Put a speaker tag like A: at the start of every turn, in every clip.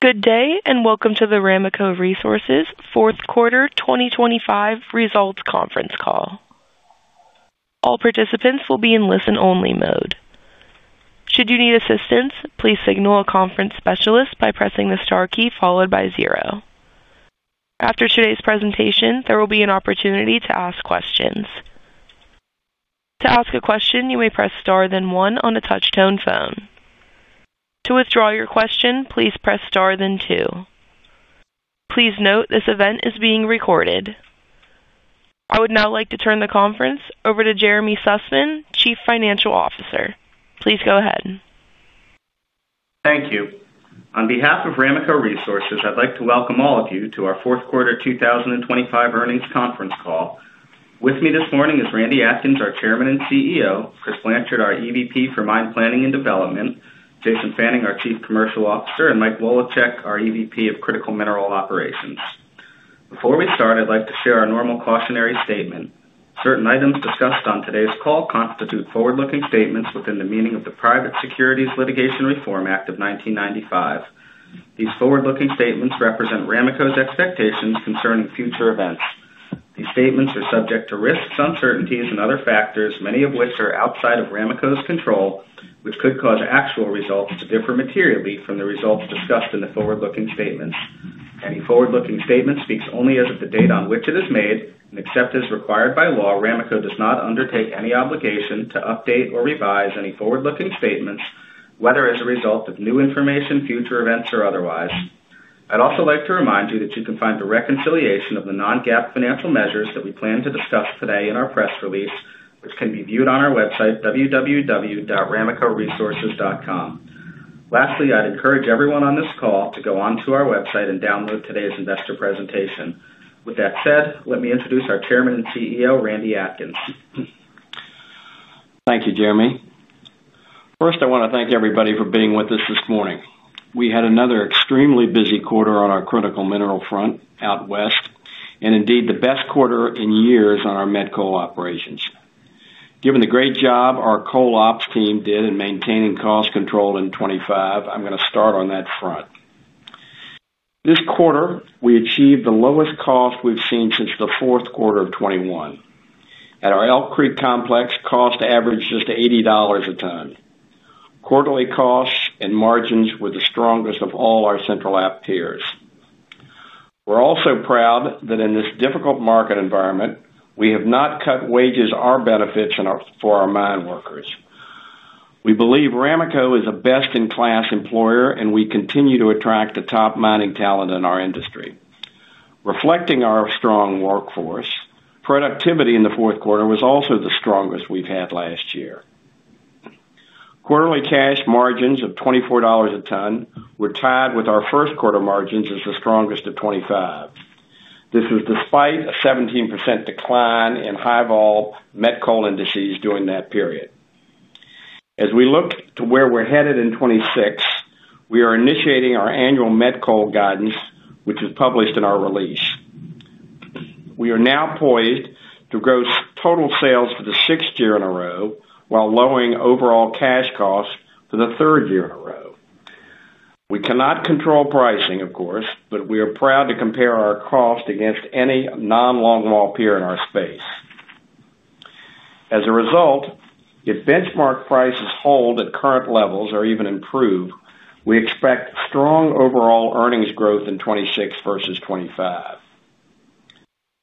A: Good day, and welcome to the Ramaco Resources Fourth Quarter 2025 Results Conference Call. All participants will be in listen-only mode. Should you need assistance, please signal a conference specialist by pressing the star key followed by zero. After today's presentation, there will be an opportunity to ask questions. To ask a question, you may press star, then one on a touch-tone phone. To withdraw your question, please press star then two. Please note, this event is being recorded. I would now like to turn the conference over to Jeremy Sussman, Chief Financial Officer. Please go ahead.
B: Thank you. On behalf of Ramaco Resources, I'd like to welcome all of you to our fourth quarter 2025 earnings conference call. With me this morning is Randy Atkins, our Chairman and CEO, Chris Blanchard, our EVP for Mine Planning and Development, Jason Fannin, our Chief Commercial Officer, and Michael Woloschuk, our EVP of Critical Mineral Operations. Before we start, I'd like to share our normal cautionary statement. Certain items discussed on today's call constitute forward-looking statements within the meaning of the Private Securities Litigation Reform Act of 1995. These forward-looking statements represent Ramaco's expectations concerning future events. These statements are subject to risks, uncertainties, and other factors, many of which are outside of Ramaco's control, which could cause actual results to differ materially from the results discussed in the forward-looking statements. Any forward-looking statement speaks only as of the date on which it is made, and except as required by law, Ramaco does not undertake any obligation to update or revise any forward-looking statements, whether as a result of new information, future events, or otherwise. I'd also like to remind you that you can find a reconciliation of the non-GAAP financial measures that we plan to discuss today in our press release, which can be viewed on our website, www.ramacoresources.com. Lastly, I'd encourage everyone on this call to go onto our website and download today's investor presentation. With that said, let me introduce our Chairman and CEO, Randy Atkins.
C: Thank you, Jeremy Sussman. First, I wanna thank everybody for being with us this morning. We had another extremely busy quarter on our critical mineral front out West, and indeed, the best quarter in years on our met coal operations. Given the great job our coal ops team did in maintaining cost control in 25, I'm gonna start on that front. This quarter, we achieved the lowest cost we've seen since the fourth quarter of 21. At our Elk Creek complex, cost averaged just $80 a ton. Quarterly costs and margins were the strongest of all our Central App tiers. We're also proud that in this difficult market environment, we have not cut wages or benefits for our mineworkers. We believe Ramaco is a best-in-class employer, and we continue to attract the top mining talent in our industry. Reflecting our strong workforce, productivity in the fourth quarter was also the strongest we've had last year. Quarterly cash margins of $24 a ton were tied with our first quarter margins as the strongest of 2025. This is despite a 17% decline in high-vol met coal indices during that period. We look to where we're headed in 2026, we are initiating our annual met coal guidance, which is published in our release. We are now poised to grow total sales for the sixth year in a row, while lowering overall cash costs for the third year in a row. We cannot control pricing, of course, we are proud to compare our cost against any non-longwall peer in our space. If benchmark prices hold at current levels or even improve, we expect strong overall earnings growth in 2026 versus 2025.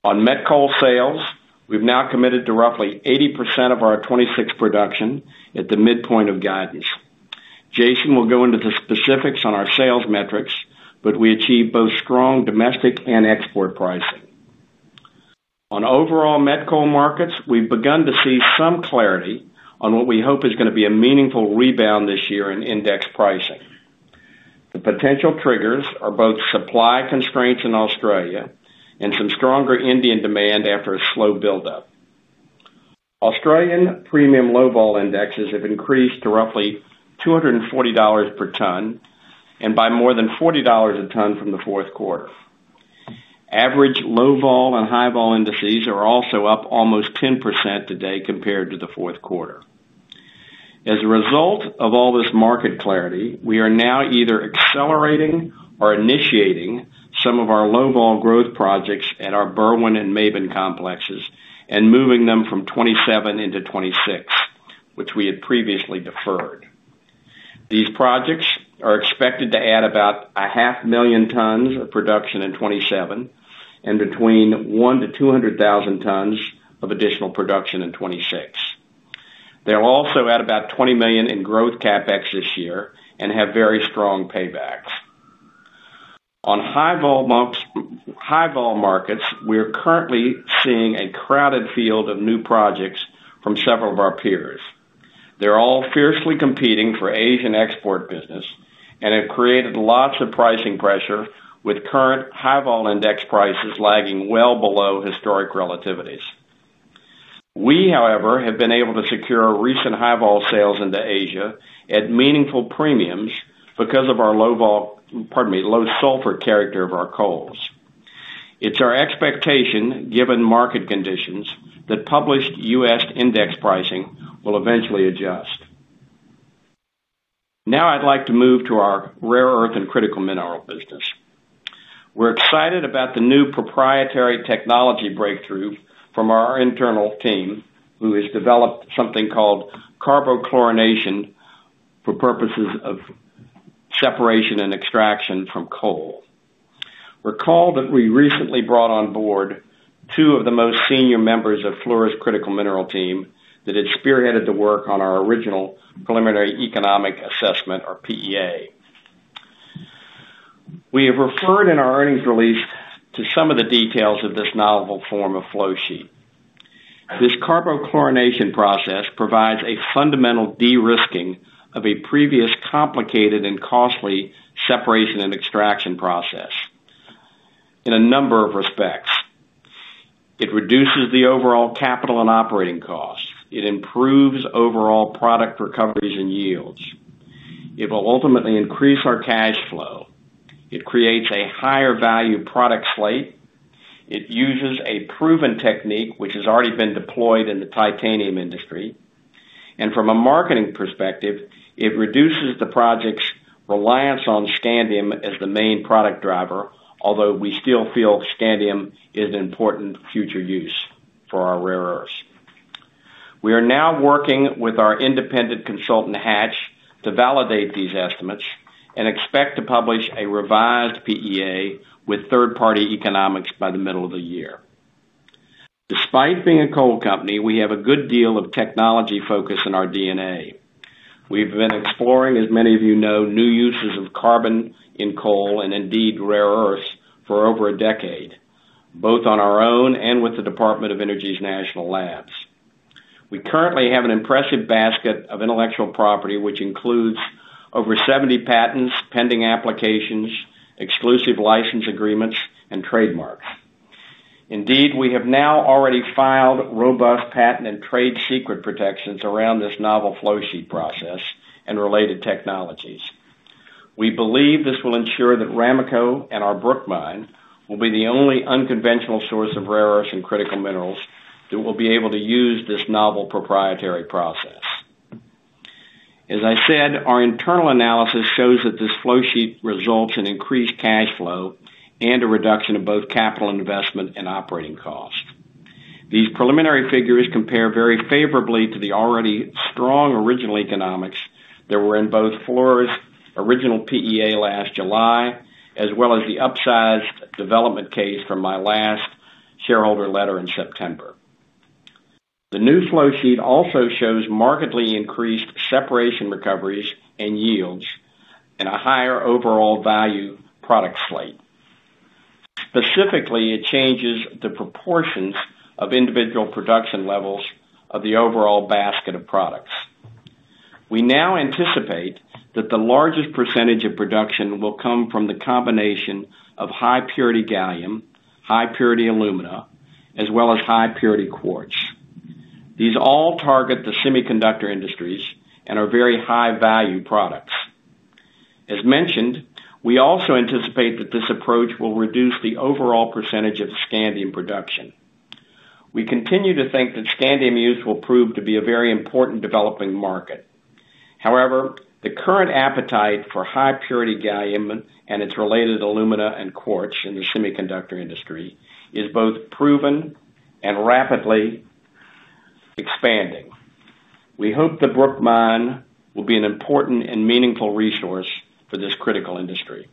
C: On met coal sales, we've now committed to roughly 80% of our 2026 production at the midpoint of guidance. Jason will go into the specifics on our sales metrics, but we achieved both strong domestic and export pricing. On overall met coal markets, we've begun to see some clarity on what we hope is gonna be a meaningful rebound this year in index pricing. The potential triggers are both supply constraints in Australia and some stronger Indian demand after a slow buildup. Australian premium low-vol indexes have increased to roughly $240 per ton and by more than $40 a ton from the fourth quarter. Average low-vol and high-vol indices are also up almost 10% today compared to the fourth quarter. As a result of all this market clarity, we are now either accelerating or initiating some of our low-vol growth projects at our Berwind and Maben complexes and moving them from 2027 into 2026, which we had previously deferred. These projects are expected to add about 500,000 tons of production in 2027 and between 100,000-200,000 tons of additional production in 2026. They'll also add about $20 million in growth CapEx this year and have very strong paybacks. On high-vol markets, we are currently seeing a crowded field of new projects from several of our peers. They're all fiercely competing for Asian export business and have created lots of pricing pressure, with current high-vol index prices lagging well below historic relativities. We, however, have been able to secure recent high-vol sales into Asia at meaningful premiums because of our low-vol, pardon me, low sulfur character of our coals. It's our expectation, given market conditions, that published U.S. index pricing will eventually adjust. Now I'd like to move to our rare earth and critical mineral business. We're excited about the new proprietary technology breakthrough from our internal team, who has developed something called carbochlorination for purposes of separation and extraction from coal. Recall that we recently brought on board two of the most senior members of Fluor's Critical Mineral Team that had spearheaded the work on our original preliminary economic assessment, or PEA. We have referred in our earnings release to some of the details of this novel form of flow sheet. This carbochlorination process provides a fundamental de-risking of a previous complicated and costly separation and extraction process. In a number of respects, it reduces the overall capital and operating costs. It improves overall product recoveries and yields. It will ultimately increase our cash flow. It creates a higher value product slate. It uses a proven technique, which has already been deployed in the titanium industry. From a marketing perspective, it reduces the project's reliance on scandium as the main product driver, although we still feel scandium is an important future use for our rare earths. We are now working with our independent consultant, Hatch, to validate these estimates and expect to publish a revised PEA with third-party economics by the middle of the year. Despite being a coal company, we have a good deal of technology focus in our DNA. We've been exploring, as many of you know, new uses of carbon in coal and indeed rare earths for over a decade, both on our own and with the Department of Energy's National Labs. We currently have an impressive basket of intellectual property, which includes over 70 patents, pending applications, exclusive license agreements, and trademarks. We have now already filed robust patent and trade secret protections around this novel flow sheet process and related technologies. We believe this will ensure that Ramaco and our Brook Mine will be the only unconventional source of rare earths and critical minerals that will be able to use this novel proprietary process. As I said, our internal analysis shows that this flow sheet results in increased cash flow and a reduction of both capital investment and operating costs. These preliminary figures compare very favorably to the already strong original economics that were in both Fluor's original PEA last July, as well as the upsized development case from my last shareholder letter in September. The new flow sheet also shows markedly increased separation recoveries and yields and a higher overall value product slate. Specifically, it changes the proportions of individual production levels of the overall basket of products. We now anticipate that the largest percentage of production will come from the combination of high-purity gallium, high-purity alumina, as well as high-purity quartz. These all target the semiconductor industries and are very high-value products. As mentioned, we also anticipate that this approach will reduce the overall percentage of scandium production. We continue to think that scandium use will prove to be a very important developing market. However, the current appetite for high-purity gallium and its related alumina and quartz in the semiconductor industry is both proven and rapidly expanding. We hope the Brook Mine will be an important and meaningful resource for this critical industry.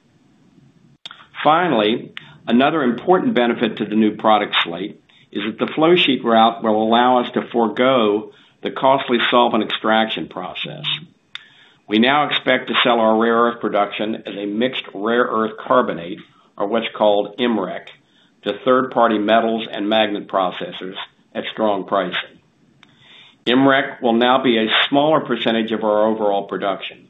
C: Finally, another important benefit to the new product slate is that the flow sheet route will allow us to forgo the costly solvent extraction process. We now expect to sell our rare earth production as a mixed rare earth carbonate, or what's called MREC, to third-party metals and magnet processors at strong pricing. MREC will now be a smaller percentage of our overall production,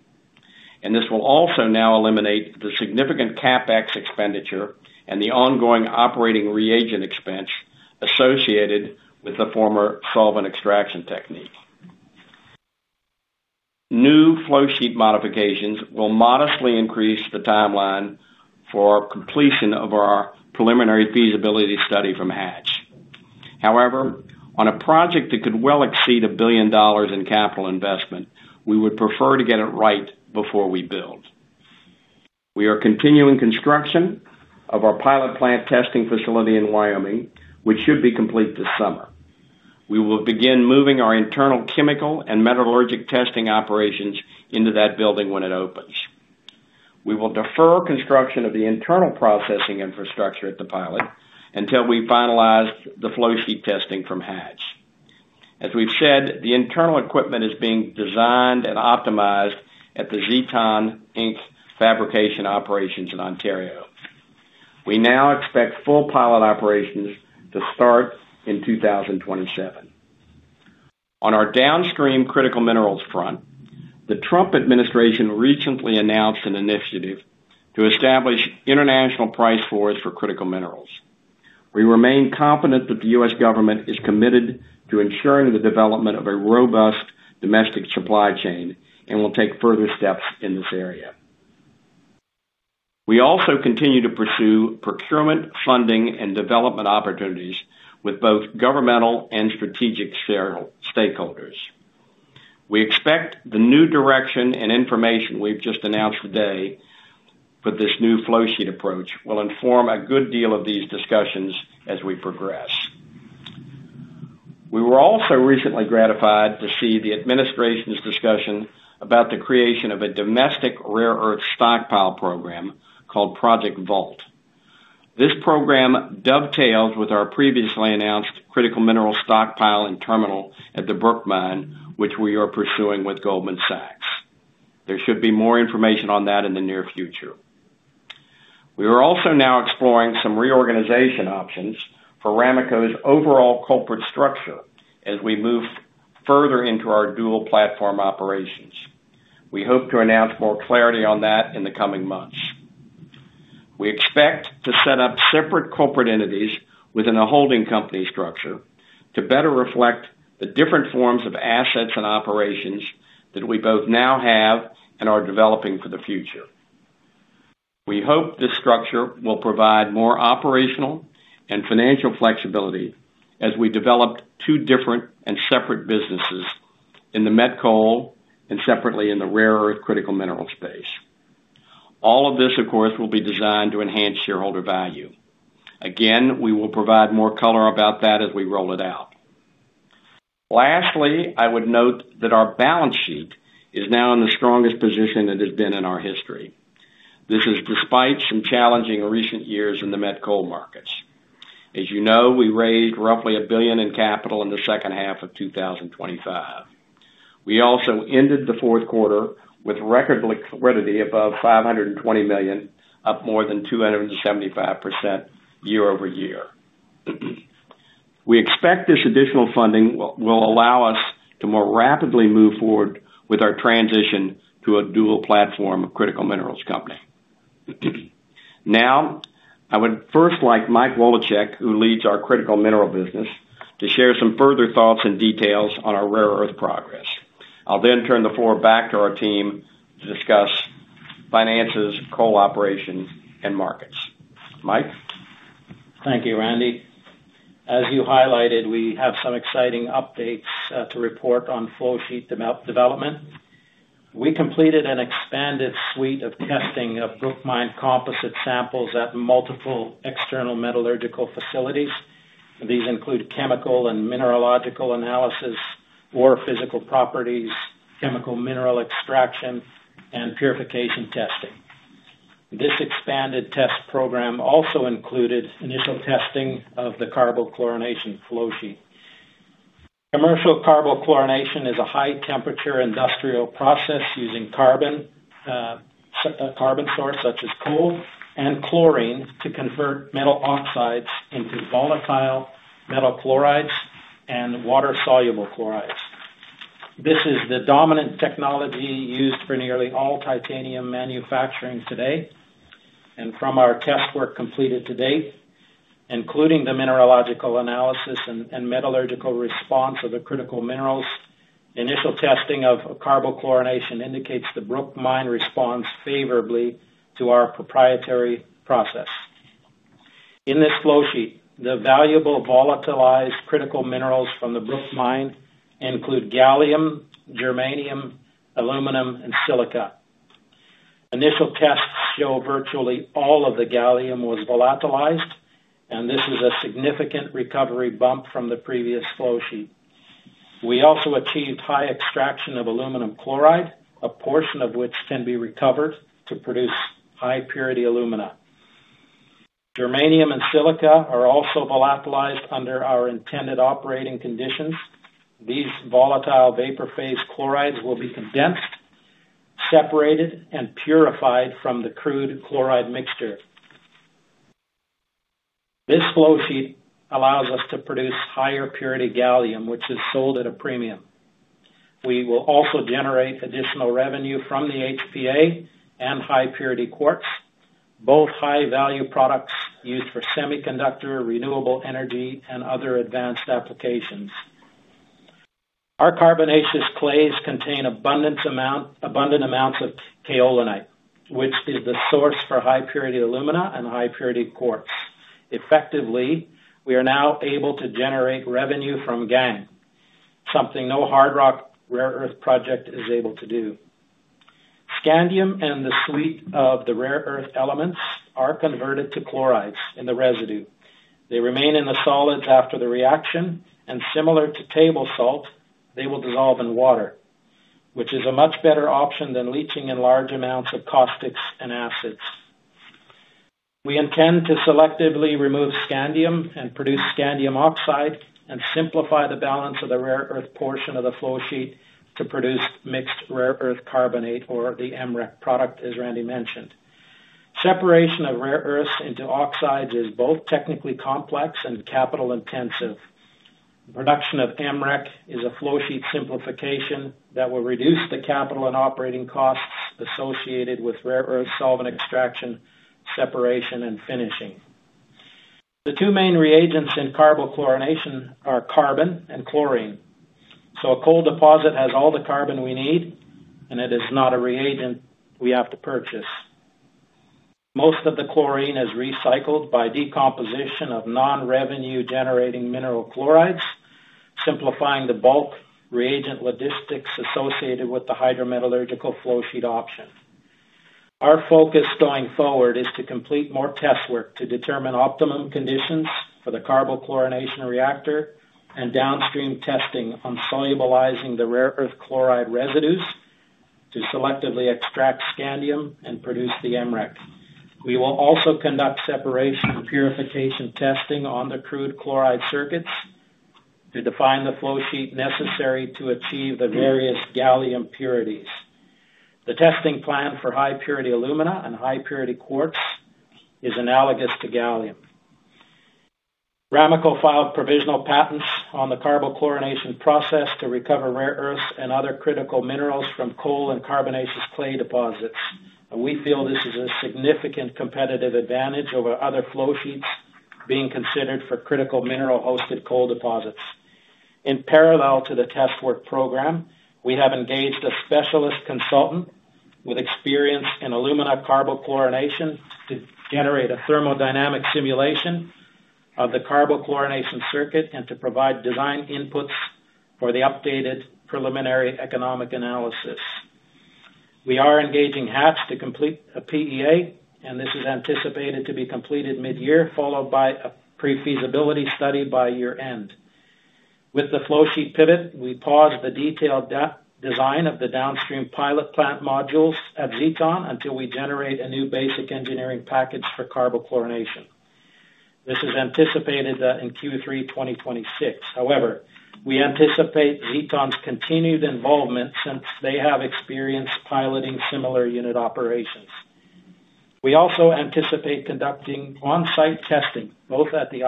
C: and this will also now eliminate the significant CapEx expenditure and the ongoing operating reagent expense associated with the former solvent extraction technique. New flow sheet modifications will modestly increase the timeline for completion of our preliminary feasibility study from Hatch. On a project that could well exceed $1 billion in capital investment, we would prefer to get it right before we build. We are continuing construction of our pilot plant testing facility in Wyoming, which should be complete this summer. We will begin moving our internal chemical and metallurgic testing operations into that building when it opens. We will defer construction of the internal processing infrastructure at the pilot until we finalize the flow sheet testing from Hatch. As we've said, the internal equipment is being designed and optimized at the Zeton Inc. fabrication operations in Ontario. We now expect full pilot operations to start in 2027. On our downstream critical minerals front, the Trump administration recently announced an initiative to establish international price floors for critical minerals. We remain confident that the U.S. government is committed to ensuring the development of a robust domestic supply chain and will take further steps in this area. We also continue to pursue procurement, funding, and development opportunities with both governmental and strategic stakeholders. We expect the new direction and information we've just announced today with this new flow sheet approach, will inform a good deal of these discussions as we progress. We were also recently gratified to see the administration's discussion about the creation of a domestic rare earth stockpile program called Project Vault. This program dovetails with our previously announced critical mineral stockpile and terminal at the Brook Mine, which we are pursuing with Goldman Sachs. There should be more information on that in the near future. We are also now exploring some reorganization options for Ramaco's overall corporate structure as we move further into our dual platform operations. We hope to announce more clarity on that in the coming months. We expect to set up separate corporate entities within a holding company structure to better reflect the different forms of assets and operations that we both now have and are developing for the future. We hope this structure will provide more operational and financial flexibility as we develop two different and separate businesses in the met coal and separately in the rare earth critical mineral space. All of this, of course, will be designed to enhance shareholder value. We will provide more color about that as we roll it out. Lastly, I would note that our balance sheet is now in the strongest position it has been in our history. This is despite some challenging recent years in the met coal markets. As you know, we raised roughly $1 billion in capital in the H2 of 2025. We also ended the fourth quarter with record liquidity above $520 million, up more than 275% year-over-year. We expect this additional funding will allow us to more rapidly move forward with our transition to a dual platform critical minerals company. I would first like Michael Woloschuk, who leads our critical mineral business, to share some further thoughts and details on our rare earth progress. I'll turn the floor back to our team to discuss finances, coal operations, and markets. Mike?
D: Thank you, Randy. As you highlighted, we have some exciting updates to report on flow sheet development. We completed an expanded suite of testing of Brook Mine composite samples at multiple external metallurgical facilities. These include chemical and mineralogical analysis, ore physical properties, chemical mineral extraction, and purification testing. This expanded test program also included initial testing of the carbochlorination flow sheet. Commercial carbochlorination is a high temperature industrial process using carbon, a carbon source, such as coal and chlorine, to convert metal oxides into volatile metal chlorides and water-soluble chlorides. This is the dominant technology used for nearly all titanium manufacturing today, and from our test work completed to date, including the mineralogical analysis and metallurgical response of the critical minerals, initial testing of carbochlorination indicates the Brook Mine responds favorably to our proprietary process. In this flow sheet, the valuable volatilized critical minerals from the Brook Mine include gallium, germanium, aluminum, and silica. Initial tests show virtually all of the gallium was volatilized. This is a significant recovery bump from the previous flow sheet. We also achieved high extraction of aluminum chloride, a portion of which can be recovered to produce high purity alumina. Germanium and silica are also volatilized under our intended operating conditions. These volatile vapor phase chlorides will be condensed, separated, and purified from the crude chloride mixture. This flow sheet allows us to produce higher purity gallium, which is sold at a premium. We will also generate additional revenue from the HPA and high purity quartz, both high-value products used for semiconductor, renewable energy, and other advanced applications. Our carbonaceous clays contain abundant amounts of kaolinite, which is the source for high purity alumina and high purity quartz. Effectively, we are now able to generate revenue from gangue, something no hard rock rare earth project is able to do. Scandium and the suite of the rare earth elements are converted to chlorides in the residue. They remain in the solids after the reaction, and similar to table salt, they will dissolve in water, which is a much better option than leaching in large amounts of caustics and acids. We intend to selectively remove scandium and produce scandium oxide, and simplify the balance of the rare earth portion of the flow sheet to produce mixed rare earth carbonate or the MREC product, as Randy mentioned. Separation of rare earths into oxides is both technically complex and capital intensive. The production of MREC is a flow sheet simplification that will reduce the capital and operating costs associated with rare earth solvent extraction, separation, and finishing. The two main reagents in carbochlorination are carbon and chlorine, so a coal deposit has all the carbon we need, and it is not a reagent we have to purchase. Most of the chlorine is recycled by decomposition of non-revenue generating mineral chlorides, simplifying the bulk reagent logistics associated with the hydrometallurgical flow sheet option. Our focus going forward is to complete more test work to determine optimum conditions for the carbochlorination reactor and downstream testing on solubilizing the rare earth chloride residues to selectively extract scandium and produce the MREC. We will also conduct separation purification testing on the crude chloride circuits to define the flow sheet necessary to achieve the various gallium purities. The testing plan for high purity alumina and high purity quartz is analogous to gallium. Ramaco filed provisional patents on the carbochlorination process to recover rare earths and other critical minerals from coal and carbonaceous clay deposits, and we feel this is a significant competitive advantage over other flow sheets being considered for critical mineral-hosted coal deposits. In parallel to the test work program, we have engaged a specialist consultant with experience in alumina carbochlorination to generate a thermodynamic simulation of the carbochlorination circuit and to provide design inputs for the updated preliminary economic analysis. We are engaging Hatch to complete a PEA, and this is anticipated to be completed mid-year, followed by a PFS by year-end. With the flow sheet pivot, we paused the detailed design of the downstream pilot plant modules at Zeton until we generate a new basic engineering package for carbochlorination. This is anticipated in Q3 2026. We anticipate Zeton's continued involvement since they have experience piloting similar unit operations. We also anticipate conducting on-site testing, both at the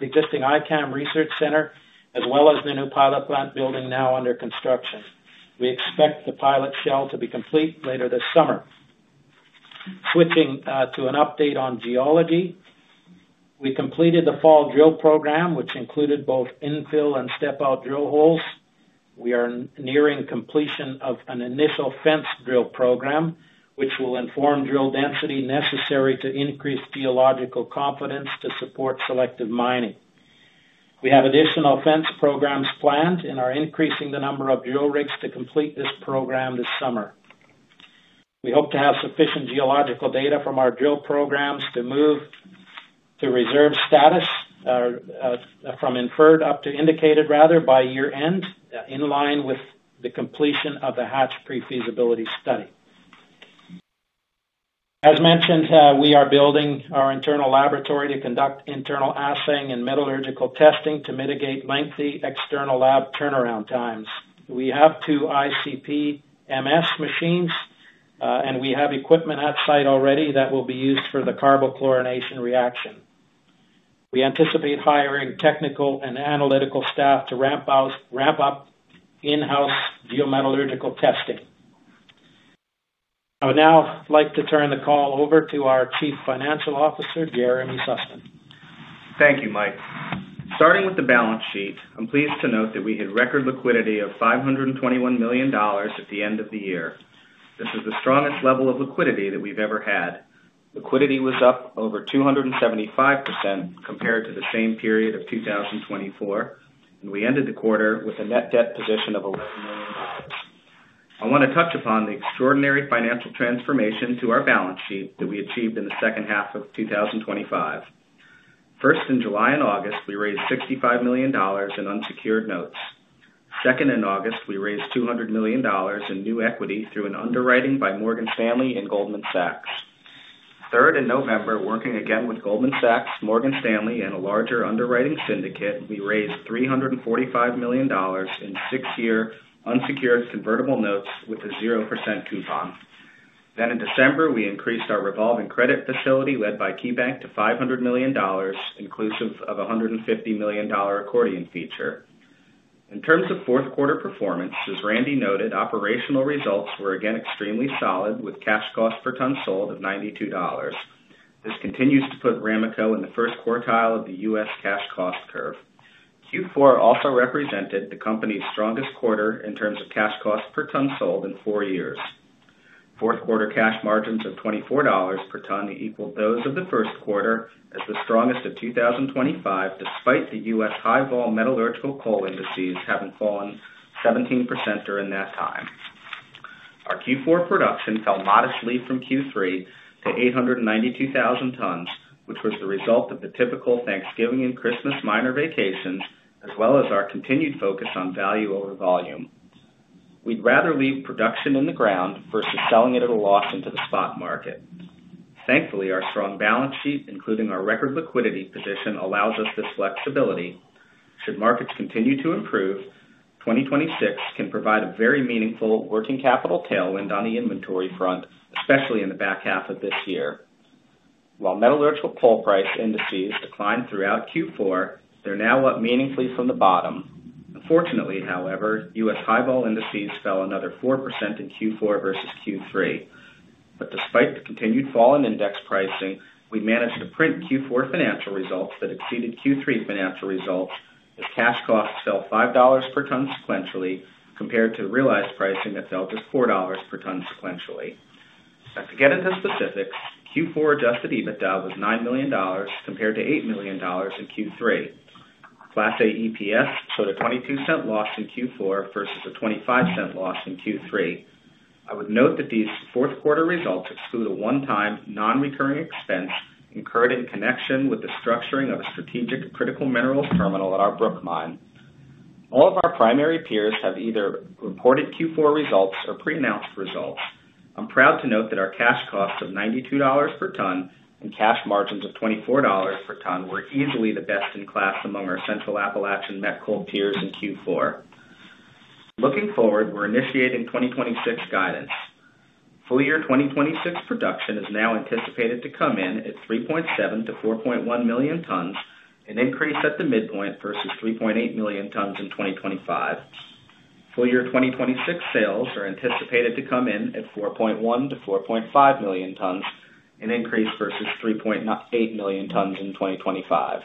D: existing iCAM Research Center, as well as the new pilot plant building now under construction. We expect the pilot shell to be complete later this summer. Switching to an update on geology. We completed the fall drill program, which included both infill and step out drill holes. We are nearing completion of an initial fence drill program, which will inform drill density necessary to increase geological confidence to support selective mining. We have additional fence programs planned and are increasing the number of drill rigs to complete this program this summer. We hope to have sufficient geological data from our drill programs to move to reserve status, from inferred up to indicated, rather, by year-end, in line with the completion of the Hatch pre-feasibility study. As mentioned, we are building our internal laboratory to conduct internal assaying and metallurgical testing to mitigate lengthy external lab turnaround times. We have two ICP-MS machines, and we have equipment on-site already that will be used for the carbochlorination reaction. We anticipate hiring technical and analytical staff to ramp up in-house geometallurgical testing. I would now like to turn the call over to our Chief Financial Officer, Jeremy Sussman.
B: Thank you, Mike. Starting with the balance sheet, I'm pleased to note that we hit record liquidity of $521 million at the end of the year. This is the strongest level of liquidity that we've ever had. Liquidity was up over 275% compared to the same period of 2024, and we ended the quarter with a net debt position of $11 million. I want to touch upon the extraordinary financial transformation to our balance sheet that we achieved in the H2 of 2025. First, in July and August, we raised $65 million in unsecured notes. Second, in August, we raised $200 million in new equity through an underwriting by Morgan Stanley and Goldman Sachs. Third, in November, working again with Goldman Sachs, Morgan Stanley, and a larger underwriting syndicate, we raised $345 million in sixth-year unsecured convertible notes with a 0% coupon. In December, we increased our revolving credit facility led by KeyBank to $500 million, inclusive of a $150 million accordion feature. In terms of fourth quarter performance, as Randy noted, operational results were again extremely solid, with cash costs per ton sold of $92. This continues to put Ramaco in the first quartile of the U.S. cash cost curve. Q4 also represented the company's strongest quarter in terms of cash costs per ton sold in four years. Fourth quarter cash margins of $24 per ton equaled those of the first quarter as the strongest of 2025, despite the U.S. high vol metallurgical coal indices having fallen 17% during that time. Our Q4 production fell modestly from Q3 to 892,000 tons, which was the result of the typical Thanksgiving and Christmas miner vacations, as well as our continued focus on value over volume. We'd rather leave production in the ground versus selling it at a loss into the spot market. Thankfully, our strong balance sheet, including our record liquidity position, allows us this flexibility. Should markets continue to improve, 2026 can provide a very meaningful working capital tailwind on the inventory front, especially in the back half of this year. Metallurgical coal price indices declined throughout Q4, they're now up meaningfully from the bottom. Unfortunately, however, U.S high vol indices fell another 4% in Q4 versus Q3. Despite the continued fall in index pricing, we managed to print Q4 financial results that exceeded Q3 financial results, as cash costs fell $5 per ton sequentially, compared to the realized pricing that fell just $4 per ton sequentially. To get into specifics, Q4 Adjusted EBITDA was $9 million compared to $8 million in Q3. Class A EPS showed a $0.22 loss in Q4 versus a $0.25 loss in Q3. I would note that these fourth quarter results exclude a one-time, non-recurring expense incurred in connection with the structuring of a strategic critical minerals terminal at our Brook Mine. All of our primary peers have either reported Q4 results or pre-announced results. I'm proud to note that our cash costs of $92 per ton and cash margins of $24 per ton were easily the best in class among our Central App met coal peers in Q4. Looking forward, we're initiating 2026 guidance. Full year 2026 production is now anticipated to come in at 3.7 million-4.1 million tons, an increase at the midpoint versus 3.8 million tons in 2025. Full year 2026 sales are anticipated to come in at 4.1 million-4.5 million tons, an increase versus 3.8 million tons in 2025.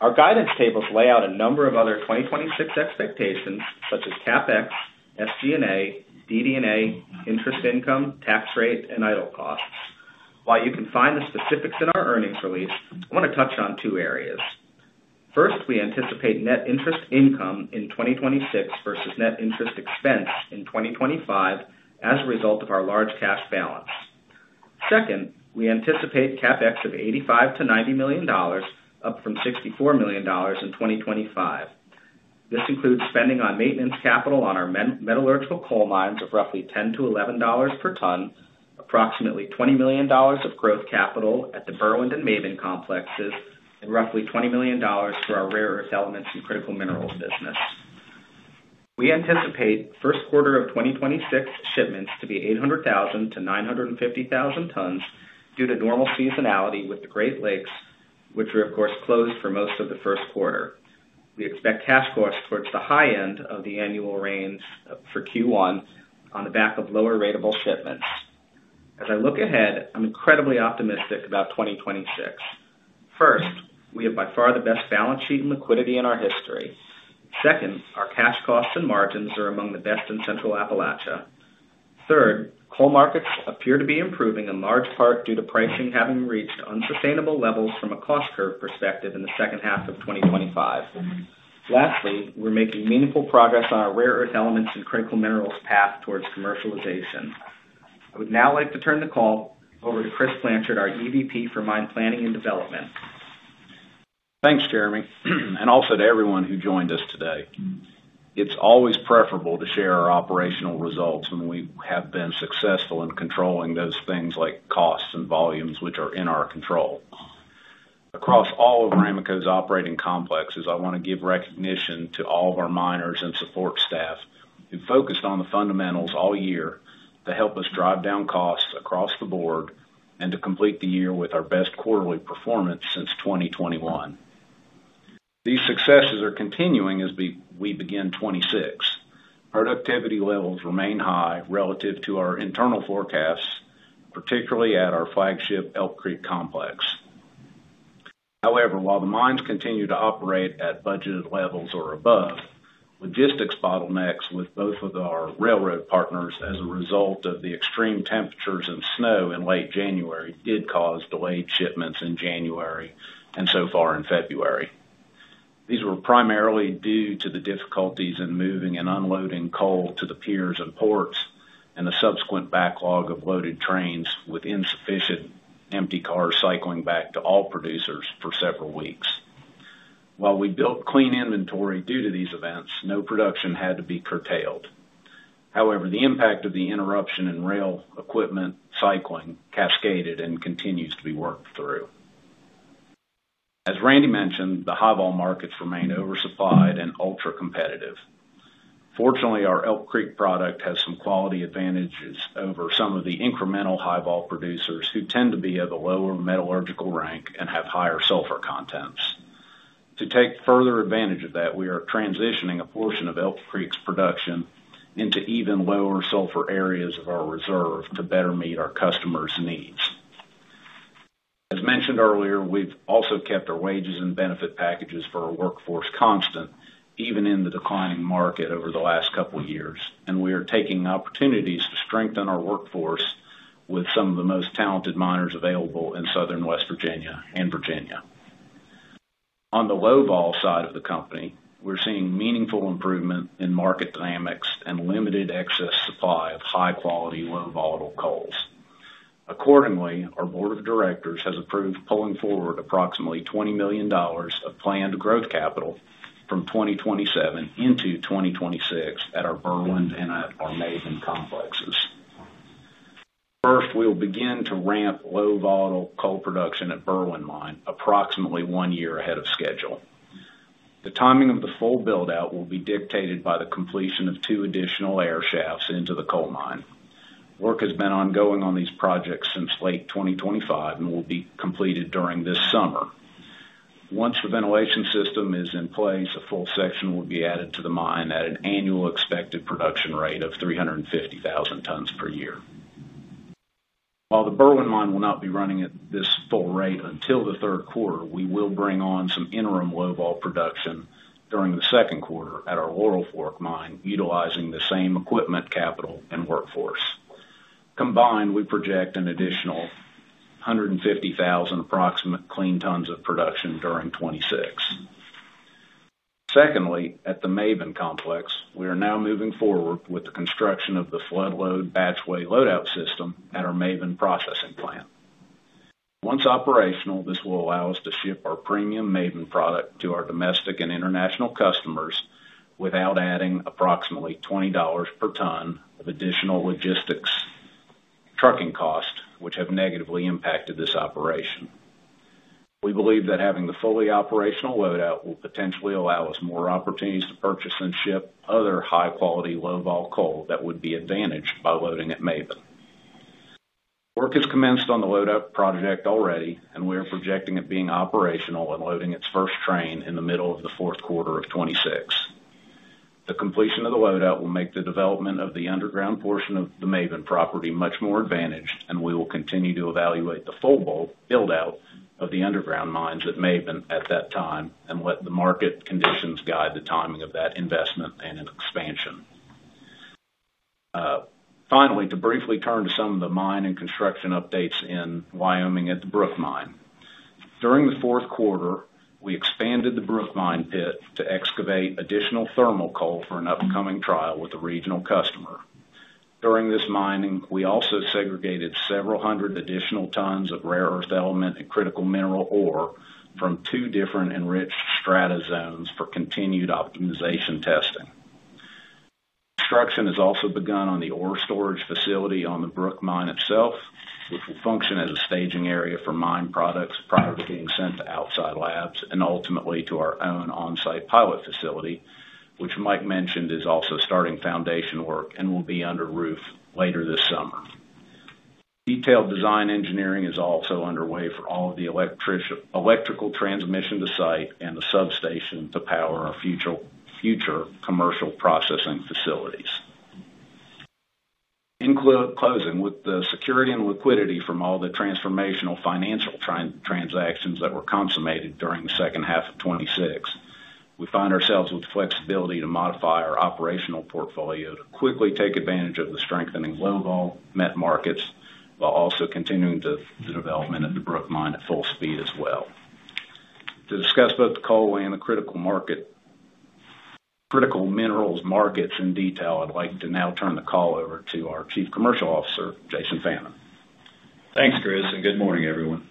B: Our guidance tables lay out a number of other 2026 expectations, such as CapEx, SG&A, DD&A, interest income, tax rate, and idle costs. While you can find the specifics in our earnings release, I wanna touch on two areas. First, we anticipate net interest income in 2026 versus net interest expense in 2025 as a result of our large cash balance. Second, we anticipate CapEx of $85 million-$90 million, up from $64 million in 2025. This includes spending on maintenance capital on our metallurgical coal mines of roughly $10-$11 per ton, approximately $20 million of growth capital at the Berwind and Maben complexes, and roughly $20 million for our rare earth elements and critical minerals business. We anticipate first quarter of 2026 shipments to be 800,000-950,000 tons due to normal seasonality with the Great Lakes, which were, of course, closed for most of the first quarter. We expect cash costs towards the high end of the annual range for Q1 on the back of lower ratable shipments. As I look ahead, I'm incredibly optimistic about 2026. First, we have by far the best balance sheet and liquidity in our history. Second, our cash costs and margins are among the best in Central Appalachia. Third, coal markets appear to be improving, in large part due to pricing having reached unsustainable levels from a cost curve perspective in the second half of 2025. Lastly, we're making meaningful progress on our rare earth elements and critical minerals path towards commercialization. I would now like to turn the call over to Chris Blanchard, our EVP for Mine Planning and Development.
E: Thanks, Jeremy, and also to everyone who joined us today. It's always preferable to share our operational results when we have been successful in controlling those things like costs and volumes, which are in our control. Across all of Ramaco Resources' operating complexes, I wanna give recognition to all of our miners and support staff who focused on the fundamentals all year to help us drive down costs across the board and to complete the year with our best quarterly performance since 2021. These successes are continuing as we begin 2026. Productivity levels remain high relative to our internal forecasts, particularly at our flagship Elk Creek complex. However, while the mines continue to operate at budgeted levels or above, logistics bottlenecks with both of our railroad partners as a result of the extreme temperatures and snow in late January, did cause delayed shipments in January and so far in February. These were primarily due to the difficulties in moving and unloading coal to the piers and ports, and the subsequent backlog of loaded trains with insufficient empty cars cycling back to all producers for several weeks. While we built clean inventory due to these events, no production had to be curtailed. However, the impact of the interruption in rail equipment cycling cascaded and continues to be worked through. As Randy mentioned, the high vol markets remain oversupplied and ultra-competitive. Fortunately, our Elk Creek product has some quality advantages over some of the incremental high vol producers, who tend to be of a lower metallurgical rank and have higher sulfur contents. To take further advantage of that, we are transitioning a portion of Elk Creek's production into even lower sulfur areas of our reserve to better meet our customers' needs. As mentioned earlier, we've also kept our wages and benefit packages for our workforce constant, even in the declining market over the last couple of years, and we are taking opportunities to strengthen our workforce with some of the most talented miners available in Southern West Virginia and Virginia. On the low volatile side of the company, we're seeing meaningful improvement in market dynamics and limited excess supply of high-quality, low volatile coals. Accordingly, our board of directors has approved pulling forward approximately $20 million of planned growth capital from 2027 into 2026 at our Berwind and at our Maben complexes. First, we'll begin to ramp low volatile coal production at Berwind Mine approximately one year ahead of schedule. The timing of the full build-out will be dictated by the completion of two additional air shafts into the coal mine. Work has been ongoing on these projects since late 2025 and will be completed during this summer. Once the ventilation system is in place, a full section will be added to the mine at an annual expected production rate of 350,000 tons per year. While the Berwind Mine will not be running at this full rate until the third quarter, we will bring on some interim low-vol production during the second quarter at our Laurel Fork Mine, utilizing the same equipment, capital, and workforce. Combined, we project an additional 150,000 approximate clean tons of production during 2026. Secondly, at the Maben Complex, we are now moving forward with the construction of the flood load batch weigh loadout system at our Maben processing plant. Once operational, this will allow us to ship our premium Maben product to our domestic and international customers without adding approximately $20 per ton of additional logistics trucking costs, which have negatively impacted this operation. We believe that having the fully operational loadout will potentially allow us more opportunities to purchase and ship other high-quality, low-vol coal that would be advantaged by loading at Maben. Work has commenced on the loadout project already, and we are projecting it being operational and loading its first train in the middle of the fourth quarter of 2026. The completion of the loadout will make the development of the underground portion of the Maben property much more advantaged, and we will continue to evaluate the full bowl build-out of the underground mines at Maben at that time, and let the market conditions guide the timing of that investment and expansion. Finally, to briefly turn to some of the mine and construction updates in Wyoming at the Brook Mine. During the fourth quarter, we expanded the Brook Mine pit to excavate additional thermal coal for an upcoming trial with a regional customer. During this mining, we also segregated several hundred additional tons of rare earth element and critical mineral ore from two different enriched strata zones for continued optimization testing. Construction has also begun on the ore storage facility on the Brook Mine itself, which will function as a staging area for mine products prior to being sent to outside labs and ultimately to our own on-site pilot facility, which Mike mentioned is also starting foundation work and will be under roof later this summer. Detailed design engineering is also underway for all of the electrical transmission to site and the substation to power our future commercial processing facilities. In closing, with the security and liquidity from all the transformational financial transactions that were consummated during the H2 of 2026, we find ourselves with flexibility to modify our operational portfolio to quickly take advantage of the strengthening low-vol met markets, while also continuing the development of the Brook Mine at full speed as well. To discuss both the coal and the critical minerals markets in detail, I'd like to now turn the call over to our Chief Commercial Officer, Jason Fannin.
F: Thanks, Chris. Good morning, everyone.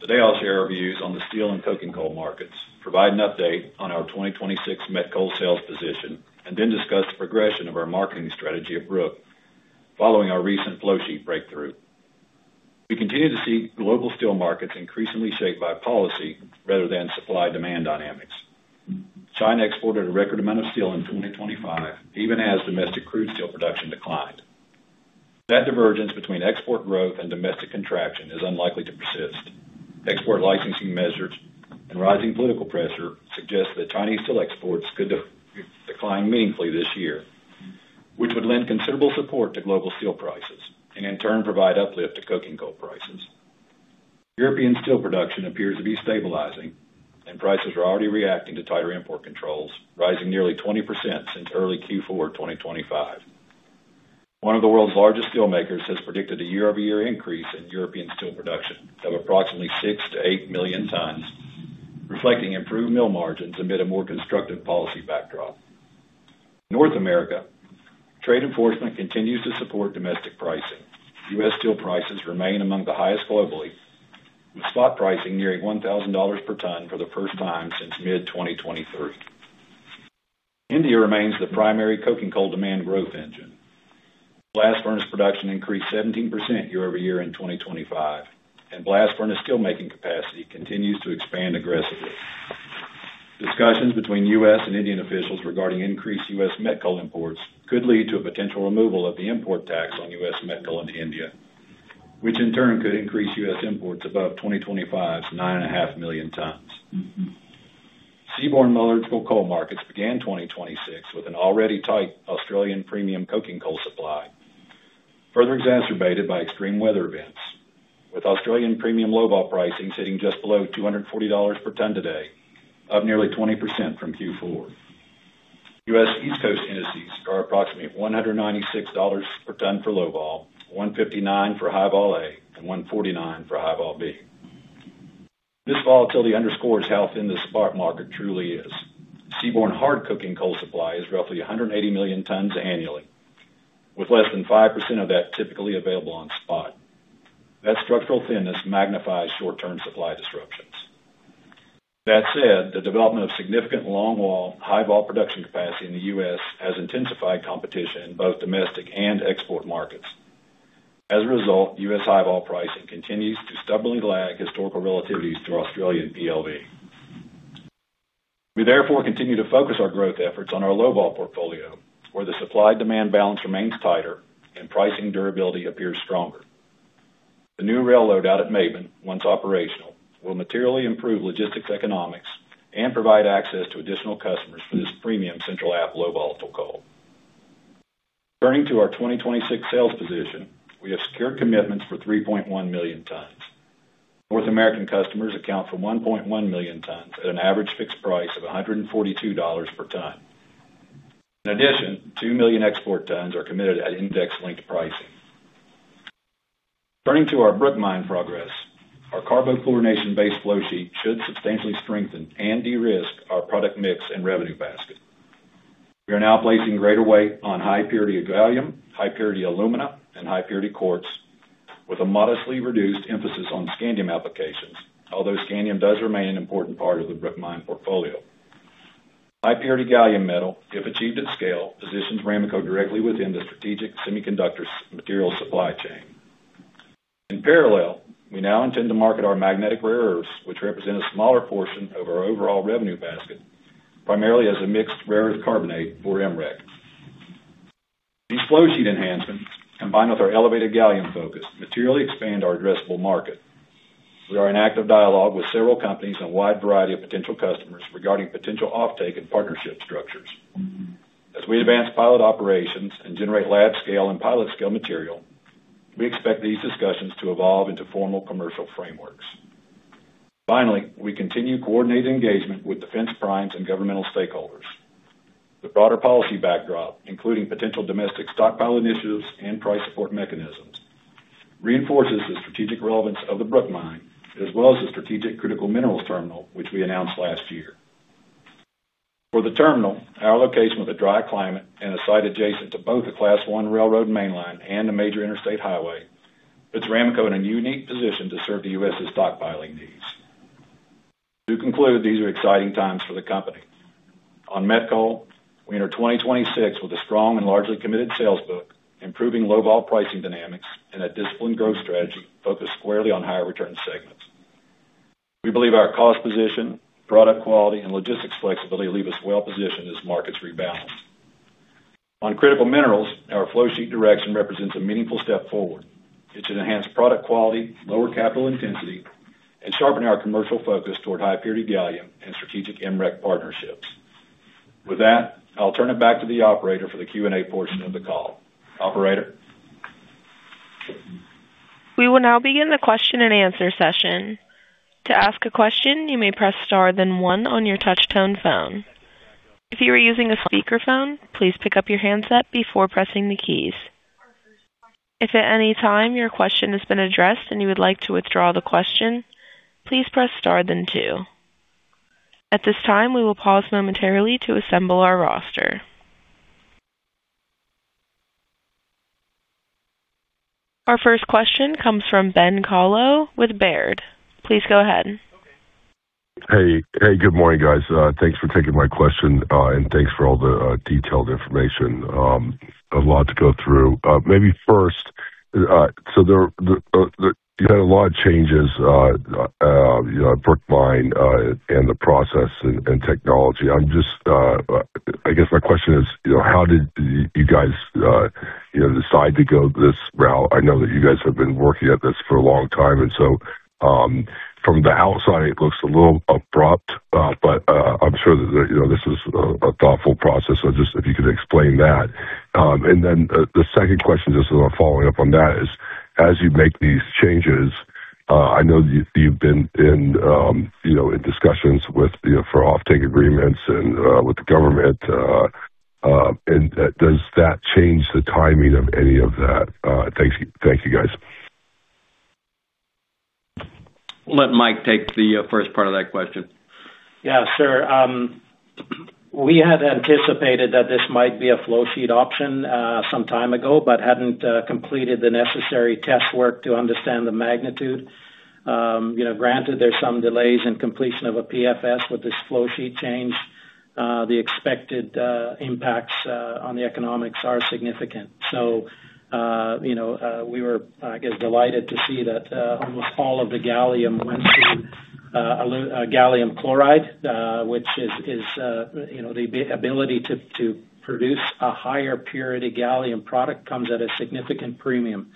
F: Today, I'll share our views on the steel and coking coal markets, provide an update on our 2026 met coal sales position, and then discuss the progression of our marketing strategy at Brook following our recent flow sheet breakthrough. We continue to see global steel markets increasingly shaped by policy rather than supply-demand dynamics. China exported a record amount of steel in 2025, even as domestic crude steel production declined. That divergence between export growth and domestic contraction is unlikely to persist. Export licensing measures and rising political pressure suggest that Chinese steel exports could decline meaningfully this year, which would lend considerable support to global steel prices and in turn, provide uplift to coking coal prices. European steel production appears to be stabilizing, and prices are already reacting to tighter import controls, rising nearly 20% since early Q4 2025. One of the world's largest steelmakers has predicted a year-over-year increase in European steel production of approximately 6 million-8 million tons, reflecting improved mill margins amid a more constructive policy backdrop. North America, trade enforcement continues to support domestic pricing. U.S. steel prices remain among the highest globally, with spot pricing nearing $1,000 per ton for the first time since mid-2023. India remains the primary coking coal demand growth engine. Blast furnace production increased 17% year-over-year in 2025, and blast furnace steelmaking capacity continues to expand aggressively. Discussions between U.S. and Indian officials regarding increased U.S. met coal imports could lead to a potential removal of the import tax on U.S. met coal into India, which in turn could increase U.S. imports above 2025's 9.5 million tons. Seaborne metallurgical coal markets began 2026 with an already tight Australian premium coking coal supply, further exacerbated by extreme weather events. With Australian premium low-vol pricing sitting just below $240 per ton today, up nearly 20% from Q4. U.S. East Coast indices are approximately $196 per ton for low-vol, $159 for high-vol A, and $149 for high-vol B. This volatility underscores how thin the spark market truly is. Seaborne hard coking coal supply is roughly 180 million tons annually, with less than 5% of that typically available on spot. That structural thinness magnifies short-term supply disruptions. That said, the development of significant long-wall, high-vol production capacity in the U.S. has intensified competition in both domestic and export markets. As a result, U.S. high vol pricing continues to stubbornly lag historical relativities to Australian PLV. We therefore continue to focus our growth efforts on our low vol portfolio, where the supply-demand balance remains tighter and pricing durability appears stronger. The new rail load out at Maben, once operational, will materially improve logistics economics and provide access to additional customers for this premium Central App low volatile coal. Turning to our 2026 sales position, we have secured commitments for 3.1 million tons. North American customers account for 1.1 million tons at an average fixed price of $142 per ton. In addition, 2 million export tons are committed at index-linked pricing. Turning to our Brook Mine progress, our carbochlorination-based flow sheet should substantially strengthen and de-risk our product mix and revenue basket. We are now placing greater weight on high purity gallium, high purity alumina, and high purity quartz, with a modestly reduced emphasis on scandium applications, although scandium does remain an important part of the Brook Mine portfolio. High purity gallium metal, if achieved at scale, positions Ramaco directly within the strategic semiconductor material supply chain. In parallel, we now intend to market our magnetic rare earths, which represent a smaller portion of our overall revenue basket, primarily as a mixed rare earth carbonate or MREC. These flow sheet enhancements, combined with our elevated gallium focus, materially expand our addressable market. We are in active dialogue with several companies and a wide variety of potential customers regarding potential offtake and partnership structures. We continue coordinating engagement with defense primes and governmental stakeholders. The broader policy backdrop, including potential domestic stockpile initiatives and price support mechanisms, reinforces the strategic relevance of the Brook Mine, as well as the strategic critical minerals terminal, which we announced last year. For the terminal, our location with a dry climate and a site adjacent to both a Class 1 railroad mainline and a major interstate highway, puts Ramaco in a unique position to serve the U.S.'s stockpiling needs. To conclude, these are exciting times for the company. On met coal, we enter 2026 with a strong and largely committed sales book, improving low vol pricing dynamics and a disciplined growth strategy focused squarely on higher return segments. We believe our cost position, product quality, and logistics flexibility leave us well positioned as markets rebalance. On critical minerals, our flow sheet direction represents a meaningful step forward. It should enhance product quality, lower capital intensity, and sharpen our commercial focus toward high purity gallium and strategic MREC partnerships. With that, I'll turn it back to the operator for the Q&A portion of the call. Operator?
A: We will now begin the question-and-answer session. To ask a question, you may press star, then one on your touchtone phone. If you are using a speakerphone, please pick up your handset before pressing the keys. If at any time your question has been addressed and you would like to withdraw the question, please press star then two. At this time, we will pause momentarily to assemble our roster. Our first question comes from Ben Kallo with Baird. Please go ahead.
G: Hey, good morning, guys. Thanks for taking my question, and thanks for all the detailed information. A lot to go through. Maybe first, so there, the you had a lot of changes, you know, at Brook Mine, and the process and technology. I'm just, I guess my question is, you know, how did you guys, you know, decide to go this route? I know that you guys have been working at this for a long time, and so, from the outside, it looks a little abrupt, but, I'm sure that, you know, this is a thoughtful process. Just if you could explain that. Then, the second question, just sort of following up on that, is: as you make these changes, I know you've been in, you know, in discussions with, you know, for offtake agreements and with the government, and does that change the timing of any of that? Thank you. Thank you, guys.
C: Let Mike take the first part of that question.
D: Yeah, sure. We had anticipated that this might be a flow sheet option, some time ago, but hadn't completed the necessary test work to understand the magnitude. You know, granted, there's some delays in completion of a PFS with this flow sheet change, the expected impacts on the economics are significant. You know, we were, I guess, delighted to see that almost all of the gallium went to gallium chloride, which is, you know, the ability to produce a higher purity gallium product comes at a significant premium.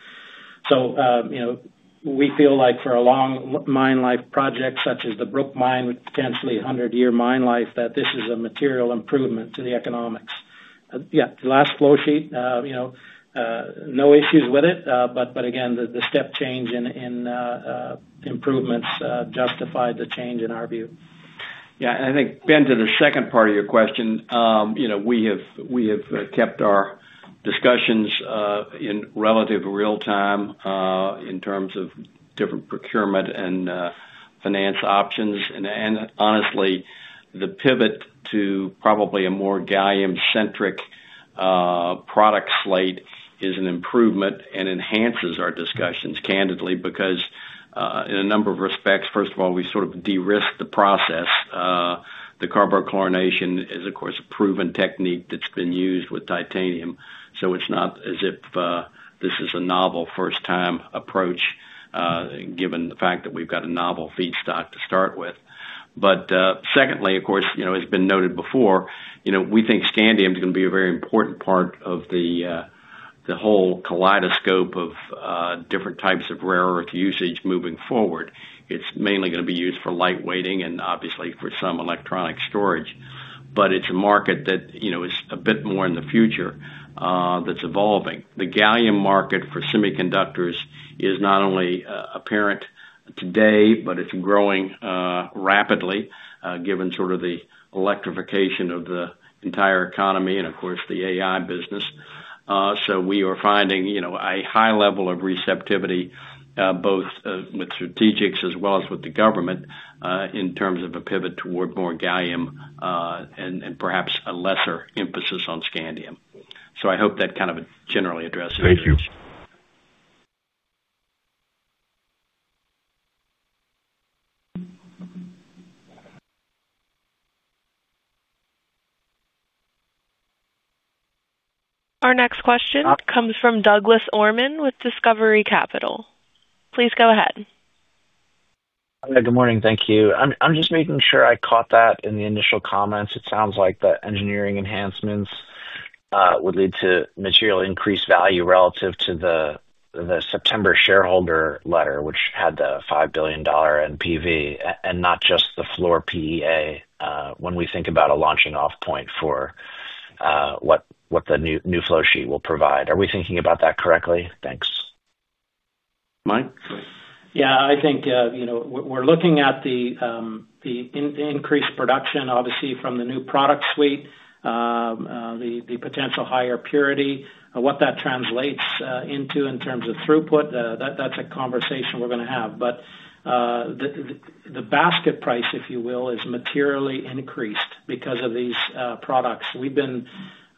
D: You know, we feel like for a long mine life project, such as the Brook Mine, with potentially a 100-year mine life, that this is a material improvement to the economics. Yeah, the last flow sheet, you know, no issues with it, but again, the step change in improvements justified the change in our view.
C: Yeah, I think, Ben, to the second part of your question, you know, we have kept our discussions in relative real time in terms of different procurement and finance options. Honestly, the pivot to probably a more gallium-centric product slate is an improvement and enhances our discussions candidly, because in a number of respects, first of all, we sort of de-risk the process.
F: The carbochlorination is, of course, a proven technique that's been used with titanium, so it's not as if this is a novel first-time approach given the fact that we've got a novel feedstock to start with. Secondly, of course, you know, as it's been noted before, you know, we think scandium is gonna be a very important part of the whole kaleidoscope of different types of rare earth usage moving forward. It's mainly gonna be used for light weighting and obviously for some electronic storage, but it's a market that, you know, is a bit more in the future that's evolving. The gallium market for semiconductors is not only apparent today, but it's growing rapidly given sort of the electrification of the entire economy and, of course, the AI business. We are finding, you know, a high level of receptivity, both with strategics as well as with the government, in terms of a pivot toward more gallium, and perhaps a lesser emphasis on scandium. I hope that kind of generally addresses your question.
G: Thank you.
A: Our next question comes from Douglas Orman with Discovery Capital. Please go ahead.
H: Good morning. Thank you. I'm just making sure I caught that in the initial comments. It sounds like the engineering enhancements would lead to materially increased value relative to the September shareholder letter, which had the $5 billion NPV, and not just the floor PEA, when we think about a launching off point for what the new flow sheet will provide. Are we thinking about that correctly? Thanks.
C: Mike?
D: Yeah, I think, you know, we're looking at the increased production, obviously, from the new product suite. The potential higher purity and what that translates into in terms of throughput, that's a conversation we're gonna have. The basket price, if you will, is materially increased because of these products. We've been,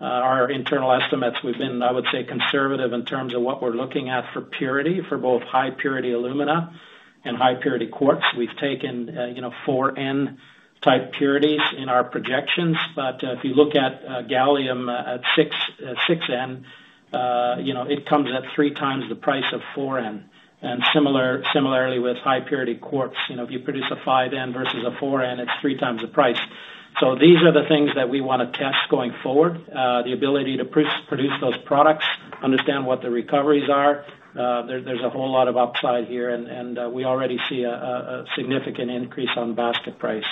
D: our internal estimates, we've been, I would say, conservative in terms of what we're looking at for purity, for both high purity alumina and high purity quartz. We've taken, you know, 4N type purities in our projections, but if you look at gallium at 6N, you know, it comes at three times the price of 4N. Similarly with high purity quartz, you know, if you produce a 5N versus a 4N, it's three times the price. These are the things that we wanna test going forward. The ability to produce those products, understand what the recoveries are, there's a whole lot of upside here, and we already see a significant increase on basket price.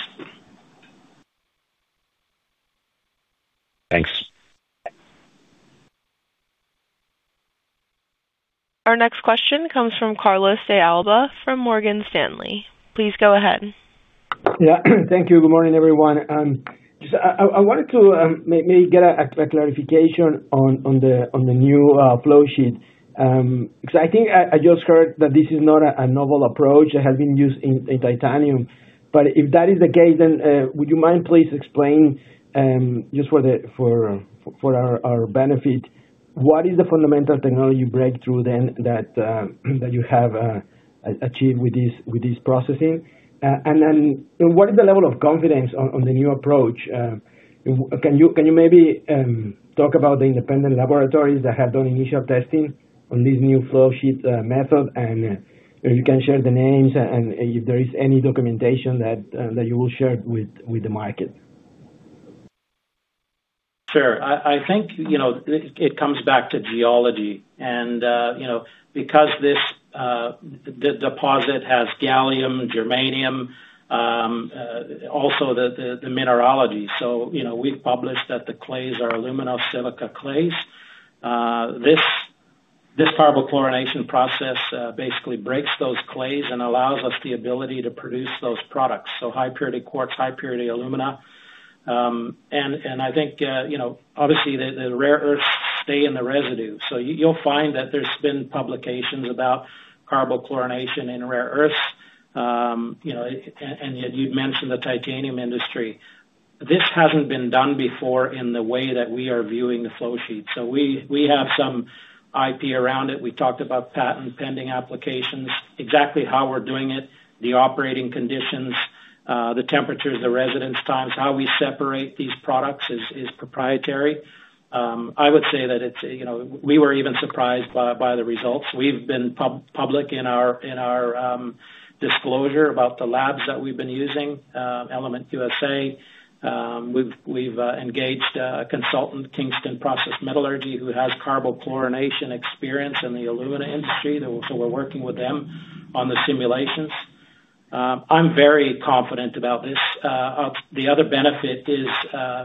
H: Thanks.
A: Our next question comes from Carlos de Alba from Morgan Stanley. Please go ahead.
I: Yeah, thank you. Good morning, everyone. I wanted to maybe get a clarification on the new flow sheet. I think I just heard that this is not a novel approach, it has been used in titanium. If that is the case, then, would you mind please explain, just for our benefit, what is the fundamental technology breakthrough then that you have achieved with this processing? What is the level of confidence on the new approach? Can you maybe talk about the independent laboratories that have done initial testing on this new flow sheet method? You can share the names and if there is any documentation that you will share with the market.
D: Sure. I think, you know, it comes back to geology and, you know, because this, the deposit has gallium, germanium, also the mineralogy. You know, we've published that the clays are aluminosilicate clays. This carbochlorination process basically breaks those clays and allows us the ability to produce those products, so high purity quartz, high purity alumina. I think, you know, obviously, the rare earths stay in the residue. You'll find that there's been publications about carbochlorination in rare earths. You know, you'd mentioned the titanium industry. This hasn't been done before in the way that we are viewing the flow sheet. We have some IP around it. We talked about patent pending applications. Exactly how we're doing it, the operating conditions, the temperatures, the residence times, how we separate these products is proprietary. I would say that it's, you know, we were even surprised by the results. We've been public in our disclosure about the labs that we've been using, Element USA. We've engaged a consultant, Kingston Process Metallurgy, who has carbochlorination experience in the alumina industry, so we're working with them on the simulations. I'm very confident about this. The other benefit is,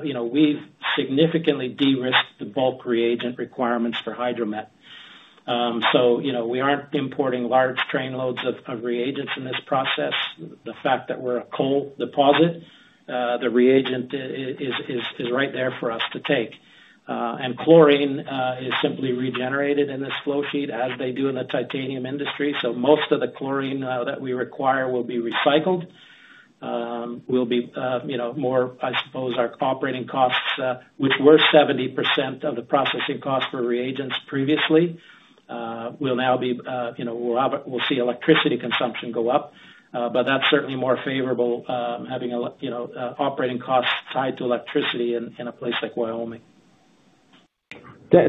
D: you know, we've significantly de-risked the bulk reagent requirements for hydromet. You know, we aren't importing large train loads of reagents in this process. The fact that we're a coal deposit, the reagent is right there for us to take. Chlorine is simply regenerated in this flow sheet, as they do in the titanium industry. Most of the chlorine that we require will be recycled. We'll be, you know, more, I suppose, our operating costs, which were 70% of the processing cost for reagents previously, we'll now be, you know, we'll see electricity consumption go up. That's certainly more favorable, having a, you know, operating costs tied to electricity in a place like Wyoming.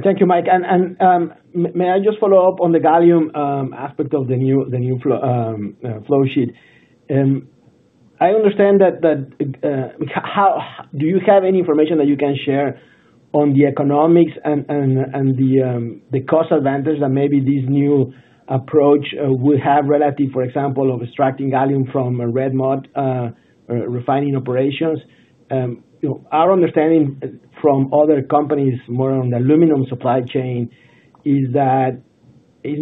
I: Thank you, Mike. May I just follow up on the gallium aspect of the new flowsheet? I understand that, do you have any information that you can share on the economics and the cost advantage that maybe this new approach will have relative, for example, of extracting gallium from red mud refining operations? You know, our understanding from other companies, more on the aluminum supply chain, is that it's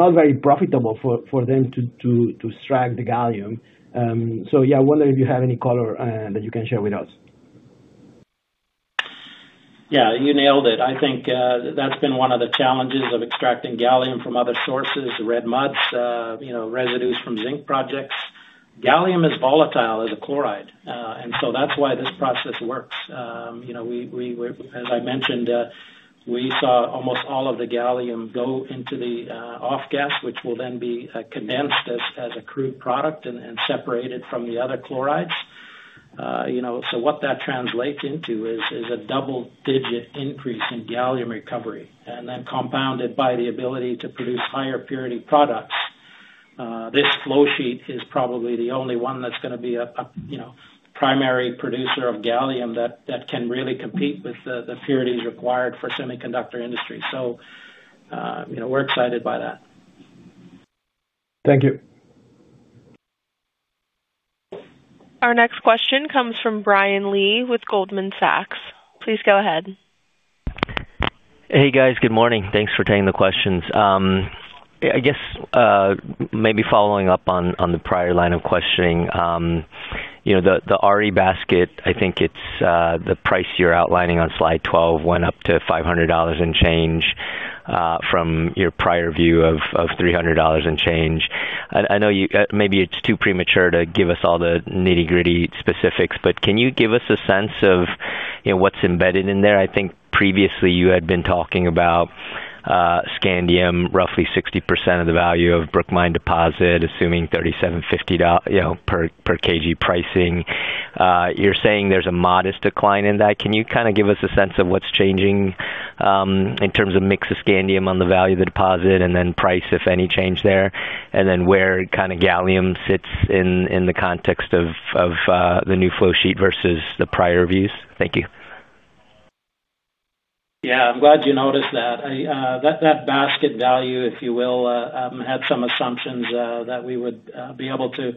I: not very profitable for them to extract the gallium. Yeah, I wonder if you have any color that you can share with us.
D: Yeah, you nailed it. I think that's been one of the challenges of extracting gallium from other sources, red muds, you know, residues from zinc projects. Gallium is volatile as a chloride, that's why this process works. You know, we, as I mentioned, we saw almost all of the gallium go into the off gas, which will then be condensed as a crude product and separated from the other chlorides. You know, what that translates into is a double-digit increase in gallium recovery, and then compounded by the ability to produce higher purity products. This flowsheet is probably the only one that's gonna be a, you know, primary producer of gallium, that can really compete with the purities required for semiconductor industry. You know, we're excited by that.
I: Thank you.
A: Our next question comes from Brian Lee with Goldman Sachs. Please go ahead.
J: Hey, guys. Good morning. Thanks for taking the questions. I guess maybe following up on the prior line of questioning. you know, the RE basket, I think it's the price you're outlining on slide 12, went up to $500 and change from your prior view of $300 and change. I know you maybe it's too premature to give us all the nitty gritty specifics, but can you give us a sense of, you know, what's embedded in there? I think previously you had been talking about scandium, roughly 60% of the value of Brook Mine deposit, assuming $3,750 you know, per kg pricing. You're saying there's a modest decline in that. Can you kind of give us a sense of what's changing, in terms of mix of scandium on the value of the deposit, and then price, if any, change there, and then where kind of gallium sits in the context of the new flowsheet versus the prior views? Thank you.
D: Yeah, I'm glad you noticed that. I, that basket value, if you will, had some assumptions that we would be able to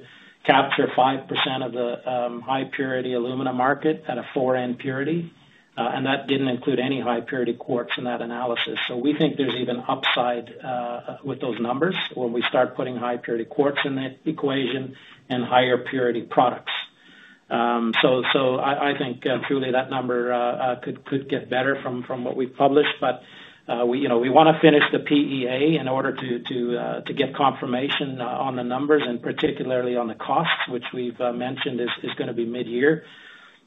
D: capture 5% of the high purity alumina market at a 4N purity, and that didn't include any high purity quartz in that analysis. We think there's even upside with those numbers, when we start putting high purity quartz in the equation and higher purity products. I think truly that number could get better from what we've published. We, you know, we wanna finish the PEA in order to get confirmation on the numbers, and particularly on the costs, which we've mentioned is gonna be mid-year.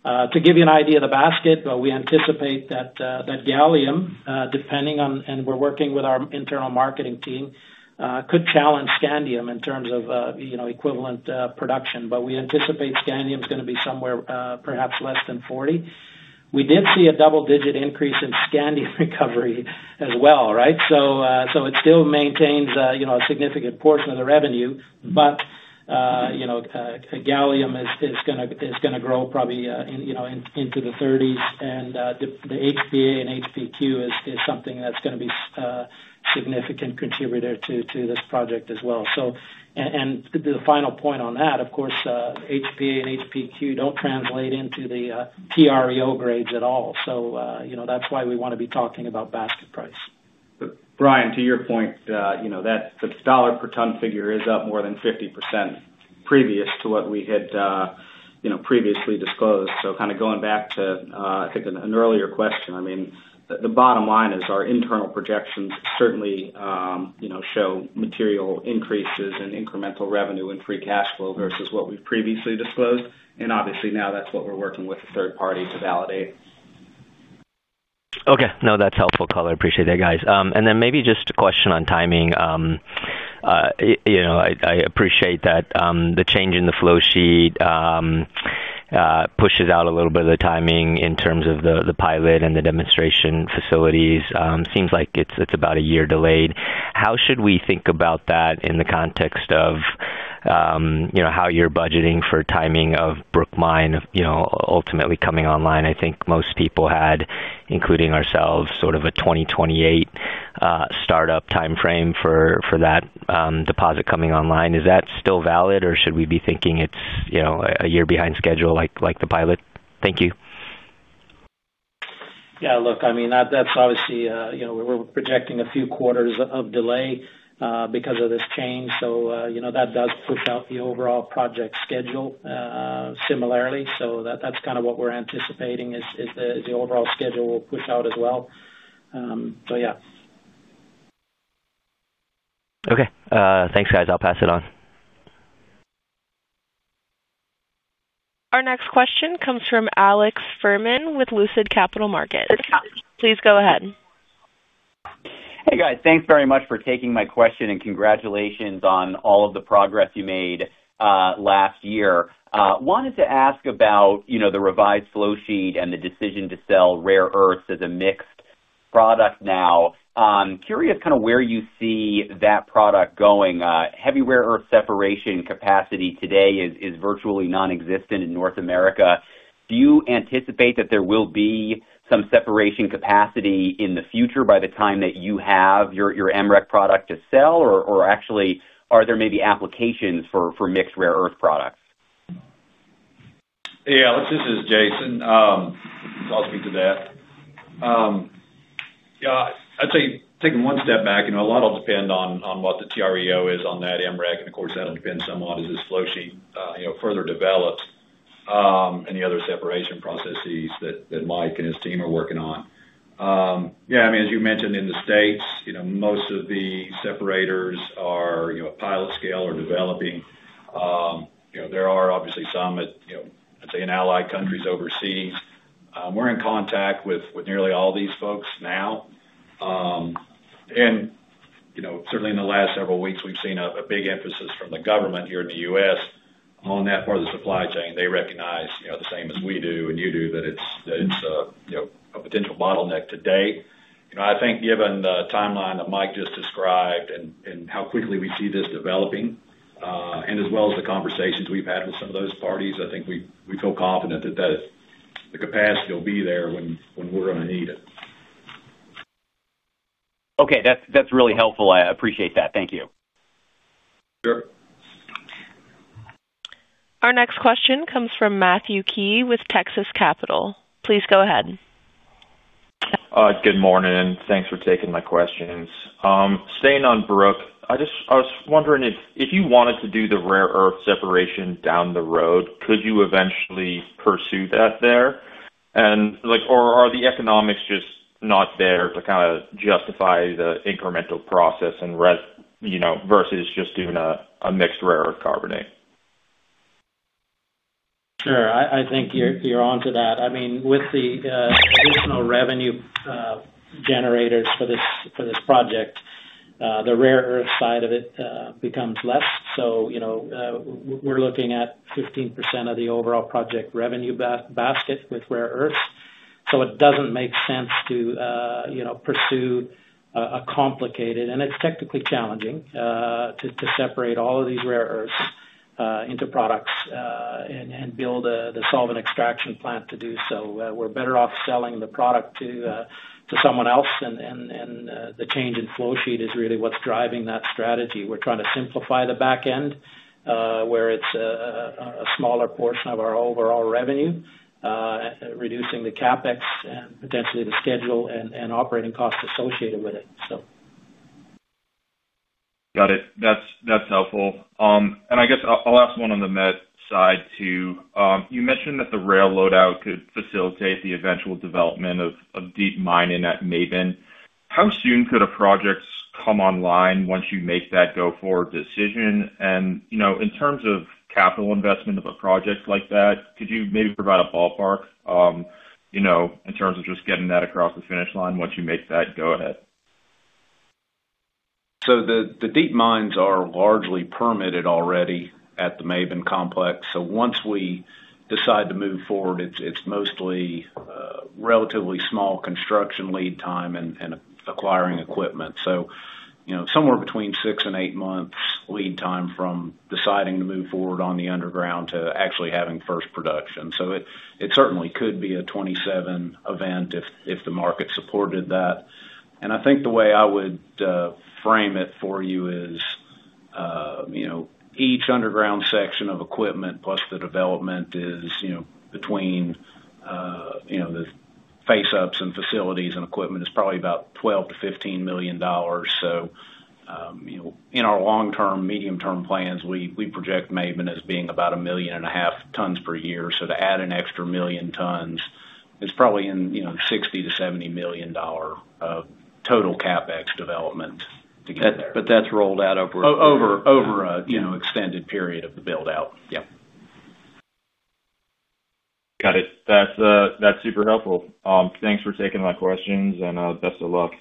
D: To give you an idea of the basket, we anticipate that gallium, depending on, and we're working with our internal marketing team, could challenge scandium in terms of, you know, equivalent production. We anticipate scandium is gonna be somewhere, perhaps less than 40. We did see a double-digit increase in scandium recovery as well, right? So it still maintains, you know, a significant portion of the revenue. You know, gallium is gonna grow probably, in, you know, into the 30s, and the HPA and HPQ is something that's gonna be a significant contributor to this project as well. And the final point on that, of course, HPA and HPQ don't translate into the TREO grades at all. You know, that's why we wanna be talking about basket price.
B: Brian, to your point, you know, that the dollar per ton figure is up more than 50% previous to what we had, you know, previously disclosed. Kind of going back to, I think an earlier question, I mean, the bottom line is our internal projections certainly, you know, show material increases in incremental revenue and free cash flow versus what we've previously disclosed, and obviously now that's what we're working with a third party to validate.
J: Okay. No, that's helpful color. I appreciate that, guys. Then maybe just a question on timing. You know, I appreciate that, the change in the flowsheet pushes out a little bit of the timing in terms of the pilot and the demonstration facilities. Seems like it's about a year delayed. How should we think about that in the context of, you know, how you're budgeting for timing of Brook Mine, you know, ultimately coming online? I think most people had, including ourselves, sort of a 2028 startup timeframe for that deposit coming online. Is that still valid, or should we be thinking it's, you know, a year behind schedule, like the pilot? Thank you.
D: Yeah, look, I mean, that's obviously, you know, we're projecting a few quarters of delay because of this change. You know, that does push out the overall project schedule similarly. That's kind of what we're anticipating is the overall schedule will push out as well. Yeah.
J: Thanks, guys. I'll pass it on.
A: Our next question comes from Alex Fuhrman with Lucid Capital Markets. Please go ahead.
K: Hey, guys. Thanks very much for taking my question. Congratulations on all of the progress you made last year. Wanted to ask about, you know, the revised flowsheet and the decision to sell rare earths as a mixed product now. Curious kind of where you see that product going. Heavy rare earth separation capacity today is virtually non-existent in North America. Do you anticipate that there will be some separation capacity in the future by the time that you have your MREC product to sell? Actually, are there maybe applications for mixed rare earth products?
F: Hey, Alex, this is Jason. I'll speak to that. Yeah, I'd say, taking one step back, you know, a lot will depend on what the TREO is on that MREC, and of course, that'll depend somewhat as this flow sheet, you know, further develops, any other separation processes that Mike and his team are working on. Yeah, I mean, as you mentioned in the States, you know, most of the separators are, you know, pilot scale or developing. You know, there are obviously some at, you know, I'd say in allied countries overseas. We're in contact with nearly all these folks now. You know, certainly in the last several weeks, we've seen a big emphasis from the government here in the U.S. on that part of the supply chain. They recognize, you know, the same as we do and you do, that it's, that it's a, you know, a potential bottleneck today. You know, I think given the timeline that Mike just described and how quickly we see this developing, and as well as the conversations we've had with some of those parties, I think we feel confident that the capacity will be there when we're gonna need it.
K: That's really helpful. I appreciate that. Thank you.
F: Sure.
A: Our next question comes from Matthew Key with Texas Capital. Please go ahead.
L: Good morning, and thanks for taking my questions. Staying on Brook, I was wondering if you wanted to do the rare earth separation down the road, could you eventually pursue that there? Like, or are the economics just not there to kind of justify the incremental process, you know, versus just doing a mixed rare earth carbonate?
D: Sure. I think you're onto that. I mean, with the additional revenue generators for this project, the rare earth side of it becomes less. You know, we're looking at 15% of the overall project revenue basket with rare earths. It doesn't make sense to, you know, pursue a complicated, and it's technically challenging, to separate all of these rare earths into products, and build the solvent extraction plant to do so. We're better off selling the product to someone else, and the change in flow sheet is really what's driving that strategy. We're trying to simplify the back end, where it's a smaller portion of our overall revenue, reducing the CapEx and potentially the schedule and operating costs associated with it, so.
L: Got it. That's helpful. I guess I'll ask one on the met side, too. You mentioned that the rail loadout could facilitate the eventual development of deep mining at Maben. How soon could a projects come online once you make that go-forward decision? You know, in terms of capital investment of a project like that, could you maybe provide a ballpark, you know, in terms of just getting that across the finish line once you make that go ahead?
F: The deep mines are largely permitted already at the Maben complex. Once we decide to move forward, it's mostly relatively small construction lead time and acquiring equipment. You know, somewhere between six and eight months lead time from deciding to move forward on the underground to actually having first production. It certainly could be a 2027 event if the market supported that. I think the way I would frame it for you is, you know, each underground section of equipment plus the development is, you know, between, you know, the face ups and facilities and equipment, is probably about $12 million-$15 million. You know, in our long-term, medium-term plans, we project Maben as being about 1.5 million tons per year. To add an extra 1 million tons is probably in, you know, $60 million-$70 million of total CapEx development to get there.
D: That's rolled out over a year.
F: Over a, you know, extended period of the build out. Yeah.
L: Got it. That's super helpful. Thanks for taking my questions. Best of luck.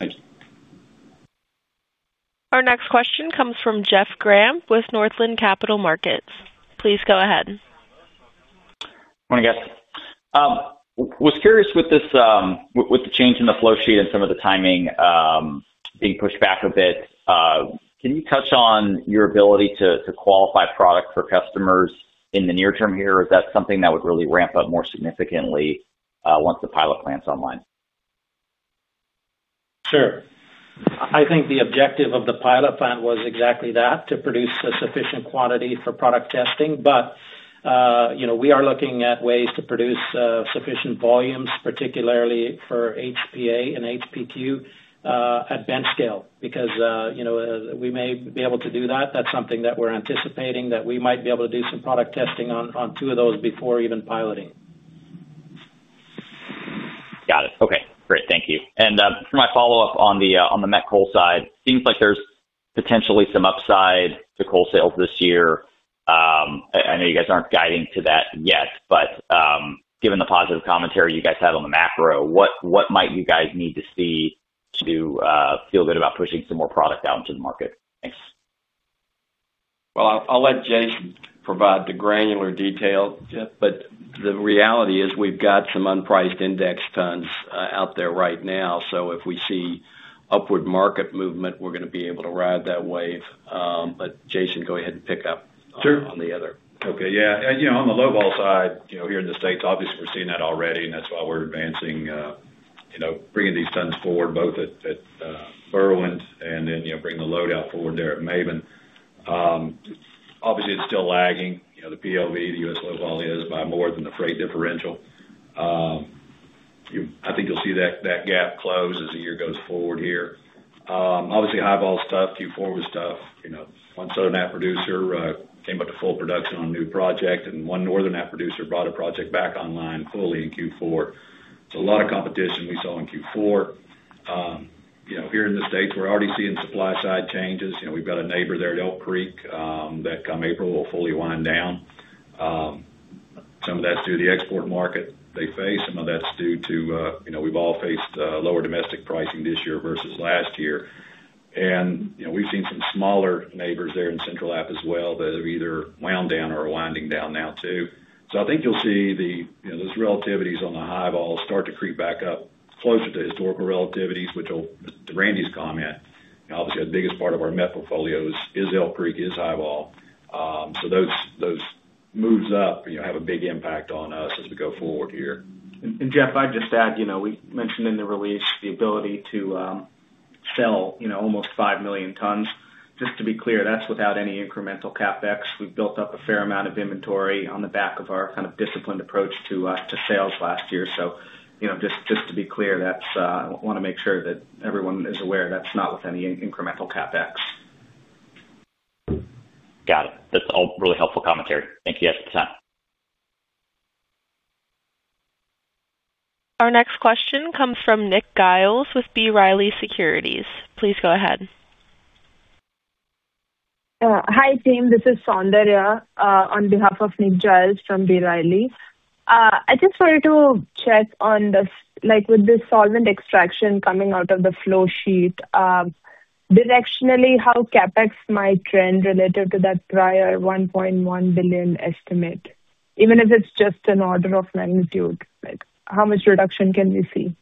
F: Thank you.
A: Our next question comes from Jeff Grampp with Northland Capital Markets. Please go ahead.
M: Morning, guys. Was curious with this, with the change in the flow sheet and some of the timing, being pushed back a bit, can you touch on your ability to qualify product for customers in the near term here? Is that something that would really ramp up more significantly, once the pilot plant's online?
D: Sure. I think the objective of the pilot plant was exactly that, to produce a sufficient quantity for product testing. You know, we are looking at ways to produce sufficient volumes, particularly for HPA and HPQ at bench scale, because, you know, we may be able to do that. That's something that we're anticipating, that we might be able to do some product testing on two of those before even piloting.
M: Got it. Okay, great. Thank you. For my follow-up on the met coal side, seems like there's potentially some upside to coal sales this year. I know you guys aren't guiding to that yet, but given the positive commentary you guys had on the macro, what might you guys need to see to feel good about pushing some more product out into the market? Thanks.
C: I'll let Jason provide the granular detail, but the reality is we've got some unpriced index tons out there right now. If we see upward market movement, we're gonna be able to ride that wave. Jason, go ahead and pick up.
F: Sure.
C: On the other.
F: Okay. Yeah, you know, on the low ball side, you know, here in the States, obviously we're seeing that already. That's why we're advancing, you know, bringing these tons forward both at Berwind, you know, bringing the load out forward there at Maben. Obviously, it's still lagging, you know, the PLV, the U.S. low ball is by more than the freight differential. I think you'll see that gap close as the year goes forward here. Obviously, high ball is tough, Q4 was tough, you know. One Southern App producer came up to full production on a new project, and one Northern App producer brought a project back online fully in Q4. A lot of competition we saw in Q4. You know, here in the States, we're already seeing supply side changes. You know, we've got a neighbor there at Elk Creek, that come April, will fully wind down. Some of that's due to the export market they face, some of that's due to, you know, we've all faced, lower domestic pricing this year versus last year. You know, we've seen some smaller neighbors there in Central App as well, that have either wound down or are winding down now, too. I think you'll see the, you know, those relativities on the high ball start to creep back up closer to historical relativities, which will To Randy's comment, you know, obviously the biggest part of our met portfolio is Elk Creek, is high ball. Those, those moves up, you know, have a big impact on us as we go forward here.
B: Jeff, I'd just add, you know, we mentioned in the release the ability to sell, you know, almost 5 million tons. Just to be clear, that's without any incremental CapEx. We've built up a fair amount of inventory on the back of our kind of disciplined approach to sales last year. You know, just to be clear, that's, I wanna make sure that everyone is aware that's not with any incremental CapEx.
M: Got it. That's all really helpful commentary. Thank you guys for your time.
A: Our next question comes from Nick Giles with B. Riley Securities. Please go ahead.
N: Hi, team. This is Saundarya on behalf of Nick Giles from B. Riley. I just wanted to check on the, like, with the solvent extraction coming out of the flow sheet, directionally, how CapEx might trend related to that prior $1.1 billion estimate? Even if it's just an order of magnitude, like, how much reduction can we see?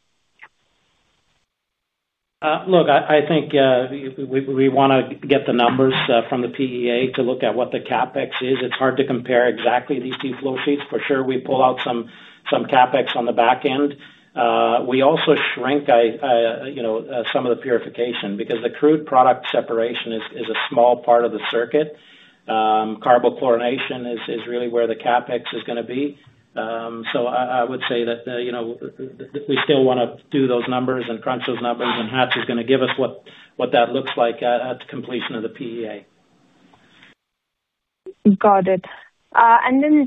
D: Look, I think we wanna get the numbers from the PEA to look at what the CapEx is. It's hard to compare exactly these two flow sheets. For sure, we pull out some CapEx on the back end. We also shrink, you know, some of the purification, because the crude product separation is a small part of the circuit. Carbochlorination is really where the CapEx is gonna be. I would say that, you know, we still wanna do those numbers and crunch those numbers, and Hatch is gonna give us what that looks like at the completion of the PEA.
N: Got it.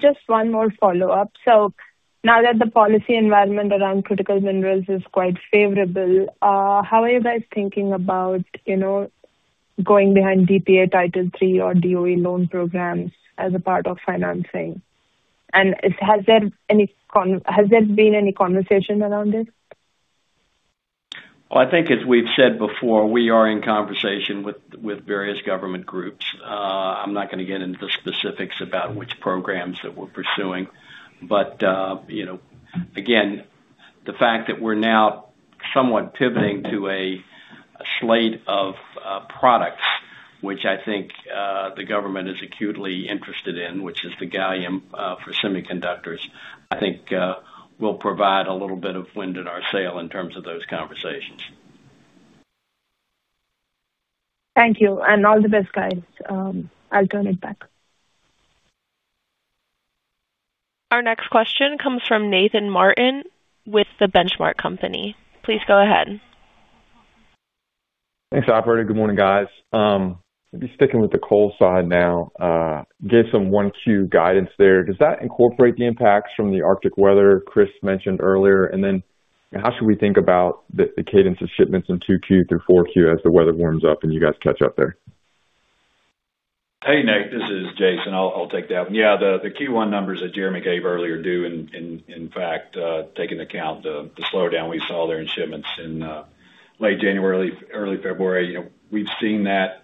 N: Just one more follow-up. Now that the policy environment around critical minerals is quite favorable, how are you guys thinking about, you know, going behind DPA Title III or DOE loan programs as a part of financing? Has there been any conversation around it?
C: I think as we've said before, we are in conversation with various government groups. I'm not gonna get into the specifics about which programs that we're pursuing, but, you know, again, the fact that we're now somewhat pivoting to a slate of products, which I think the government is acutely interested in, which is the gallium for semiconductors, I think will provide a little bit of wind in our sail in terms of those conversations.
N: Thank you, and all the best, guys. I'll turn it back.
A: Our next question comes from Nathan Martin with The Benchmark Company. Please go ahead.
O: Thanks, operator. Good morning, guys. I'll be sticking with the coal side now. Gave some 1Q guidance there. Does that incorporate the impacts from the Arctic weather Chris mentioned earlier? How should we think about the cadence of shipments in 2Q through 4Q as the weather warms up and you guys catch up there?
F: Hey, Nick, this is Jason. I'll take that one. The Q1 numbers that Jeremy gave earlier do in fact take into account the slowdown we saw there in shipments in late January, early February. You know, we've seen that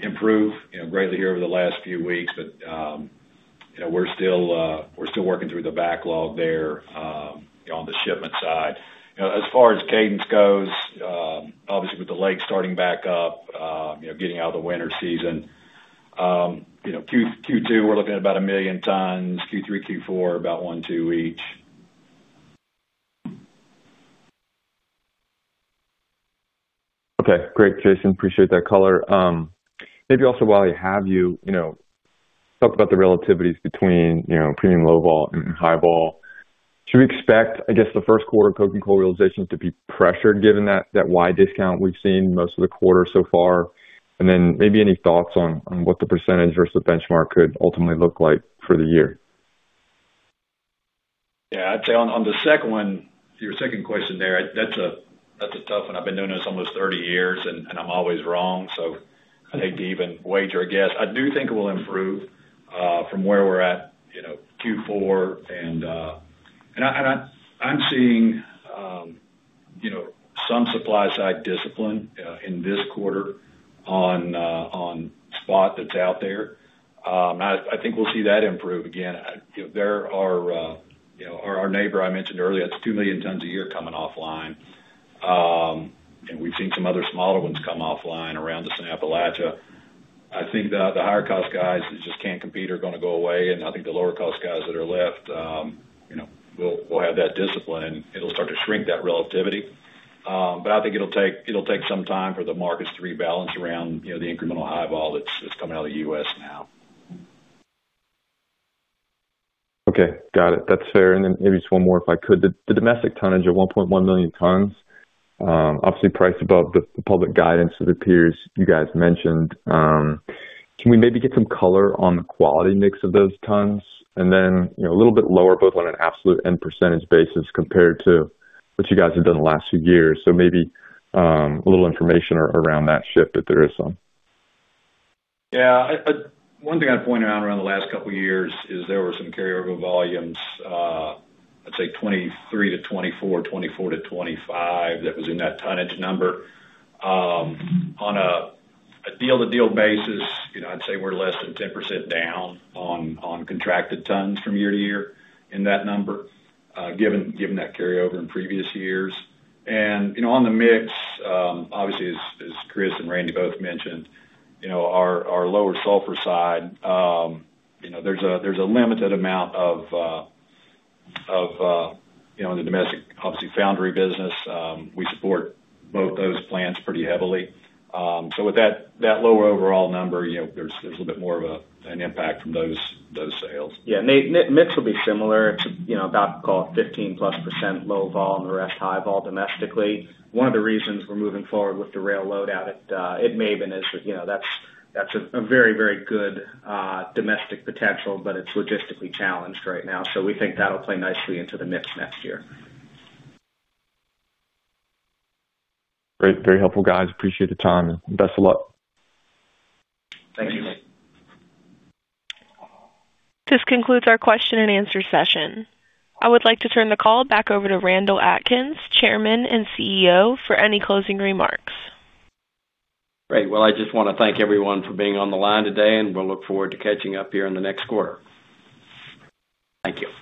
F: improve, you know, greatly here over the last few weeks, but, you know, we're still working through the backlog there on the shipment side. You know, as far as cadence goes, obviously with the lake starting back up, you know, getting out of the winter season, you know, Q2, we're looking at about 1 million tons, Q3, Q4, about 1.2 each.
O: Great, Jason. Appreciate that color. Maybe also, while I have you know, talk about the relativities between, you know, between low vol and high vol. Should we expect, I guess, the first quarter coke and coal realization to be pressured, given that wide discount we've seen most of the quarter so far? Maybe any thoughts on what the % versus benchmark could ultimately look like for the year?
F: Yeah, I'd say on the second one, your second question there, that's a tough one. I've been doing this almost 30 years, and I'm always wrong, so I'd hate to even wager a guess. I do think it will improve from where we're at, you know, Q4. I'm seeing, you know, some supply side discipline in this quarter on spot that's out there. I think we'll see that improve. Again, there are, you know, our neighbor I mentioned earlier, that's 2 million tons a year coming offline. We've seen some other smaller ones come offline around us in Appalachia. I think the higher cost guys that just can't compete are gonna go away, and I think the lower cost guys that are left, you know, will have that discipline, and it'll start to shrink that relativity. I think it'll take some time for the markets to rebalance around, you know, the incremental high vol that's coming out of the U.S. now.
O: Okay, got it. That's fair. Maybe just one more, if I could. The domestic tonnage of 1.1 million tons, obviously priced above the public guidance of the peers you guys mentioned. Can we maybe get some color on the quality mix of those tons? You know, a little bit lower, both on an absolute and percentage basis, compared to what you guys have done the last few years. Maybe, a little information around that ship, if there is some.
F: Yeah. One thing I'd point out around the last couple of years is there were some carryover volumes, I'd say 2023 to 2024 to 2025, that was in that tonnage number. On a deal-to-deal basis, you know, I'd say we're less than 10% down on contracted tons from year-to-year in that number, given that carryover in previous years. You know, on the mix, obviously, as Chris and Randy both mentioned, you know, our lower sulfur side, you know, there's a limited amount of, you know, in the domestic, obviously, foundry business. We support both those plants pretty heavily. With that lower overall number, you know, there's a bit more of an impact from those sales.
B: Yeah, Nate, mix will be similar. It's, you know, about call it 15 plus % low vol and the rest high vol domestically. One of the reasons we're moving forward with the rail load out at Maben is that, you know, that's a very good domestic potential, but it's logistically challenged right now, so we think that'll play nicely into the mix next year.
O: Great. Very helpful, guys. Appreciate the time, and best of luck.
F: Thank you.
A: This concludes our question and answer session. I would like to turn the call back over to Randall Atkins, Chairman and CEO, for any closing remarks.
C: Great. Well, I just wanna thank everyone for being on the line today, and we'll look forward to catching up here in the next quarter. Thank you.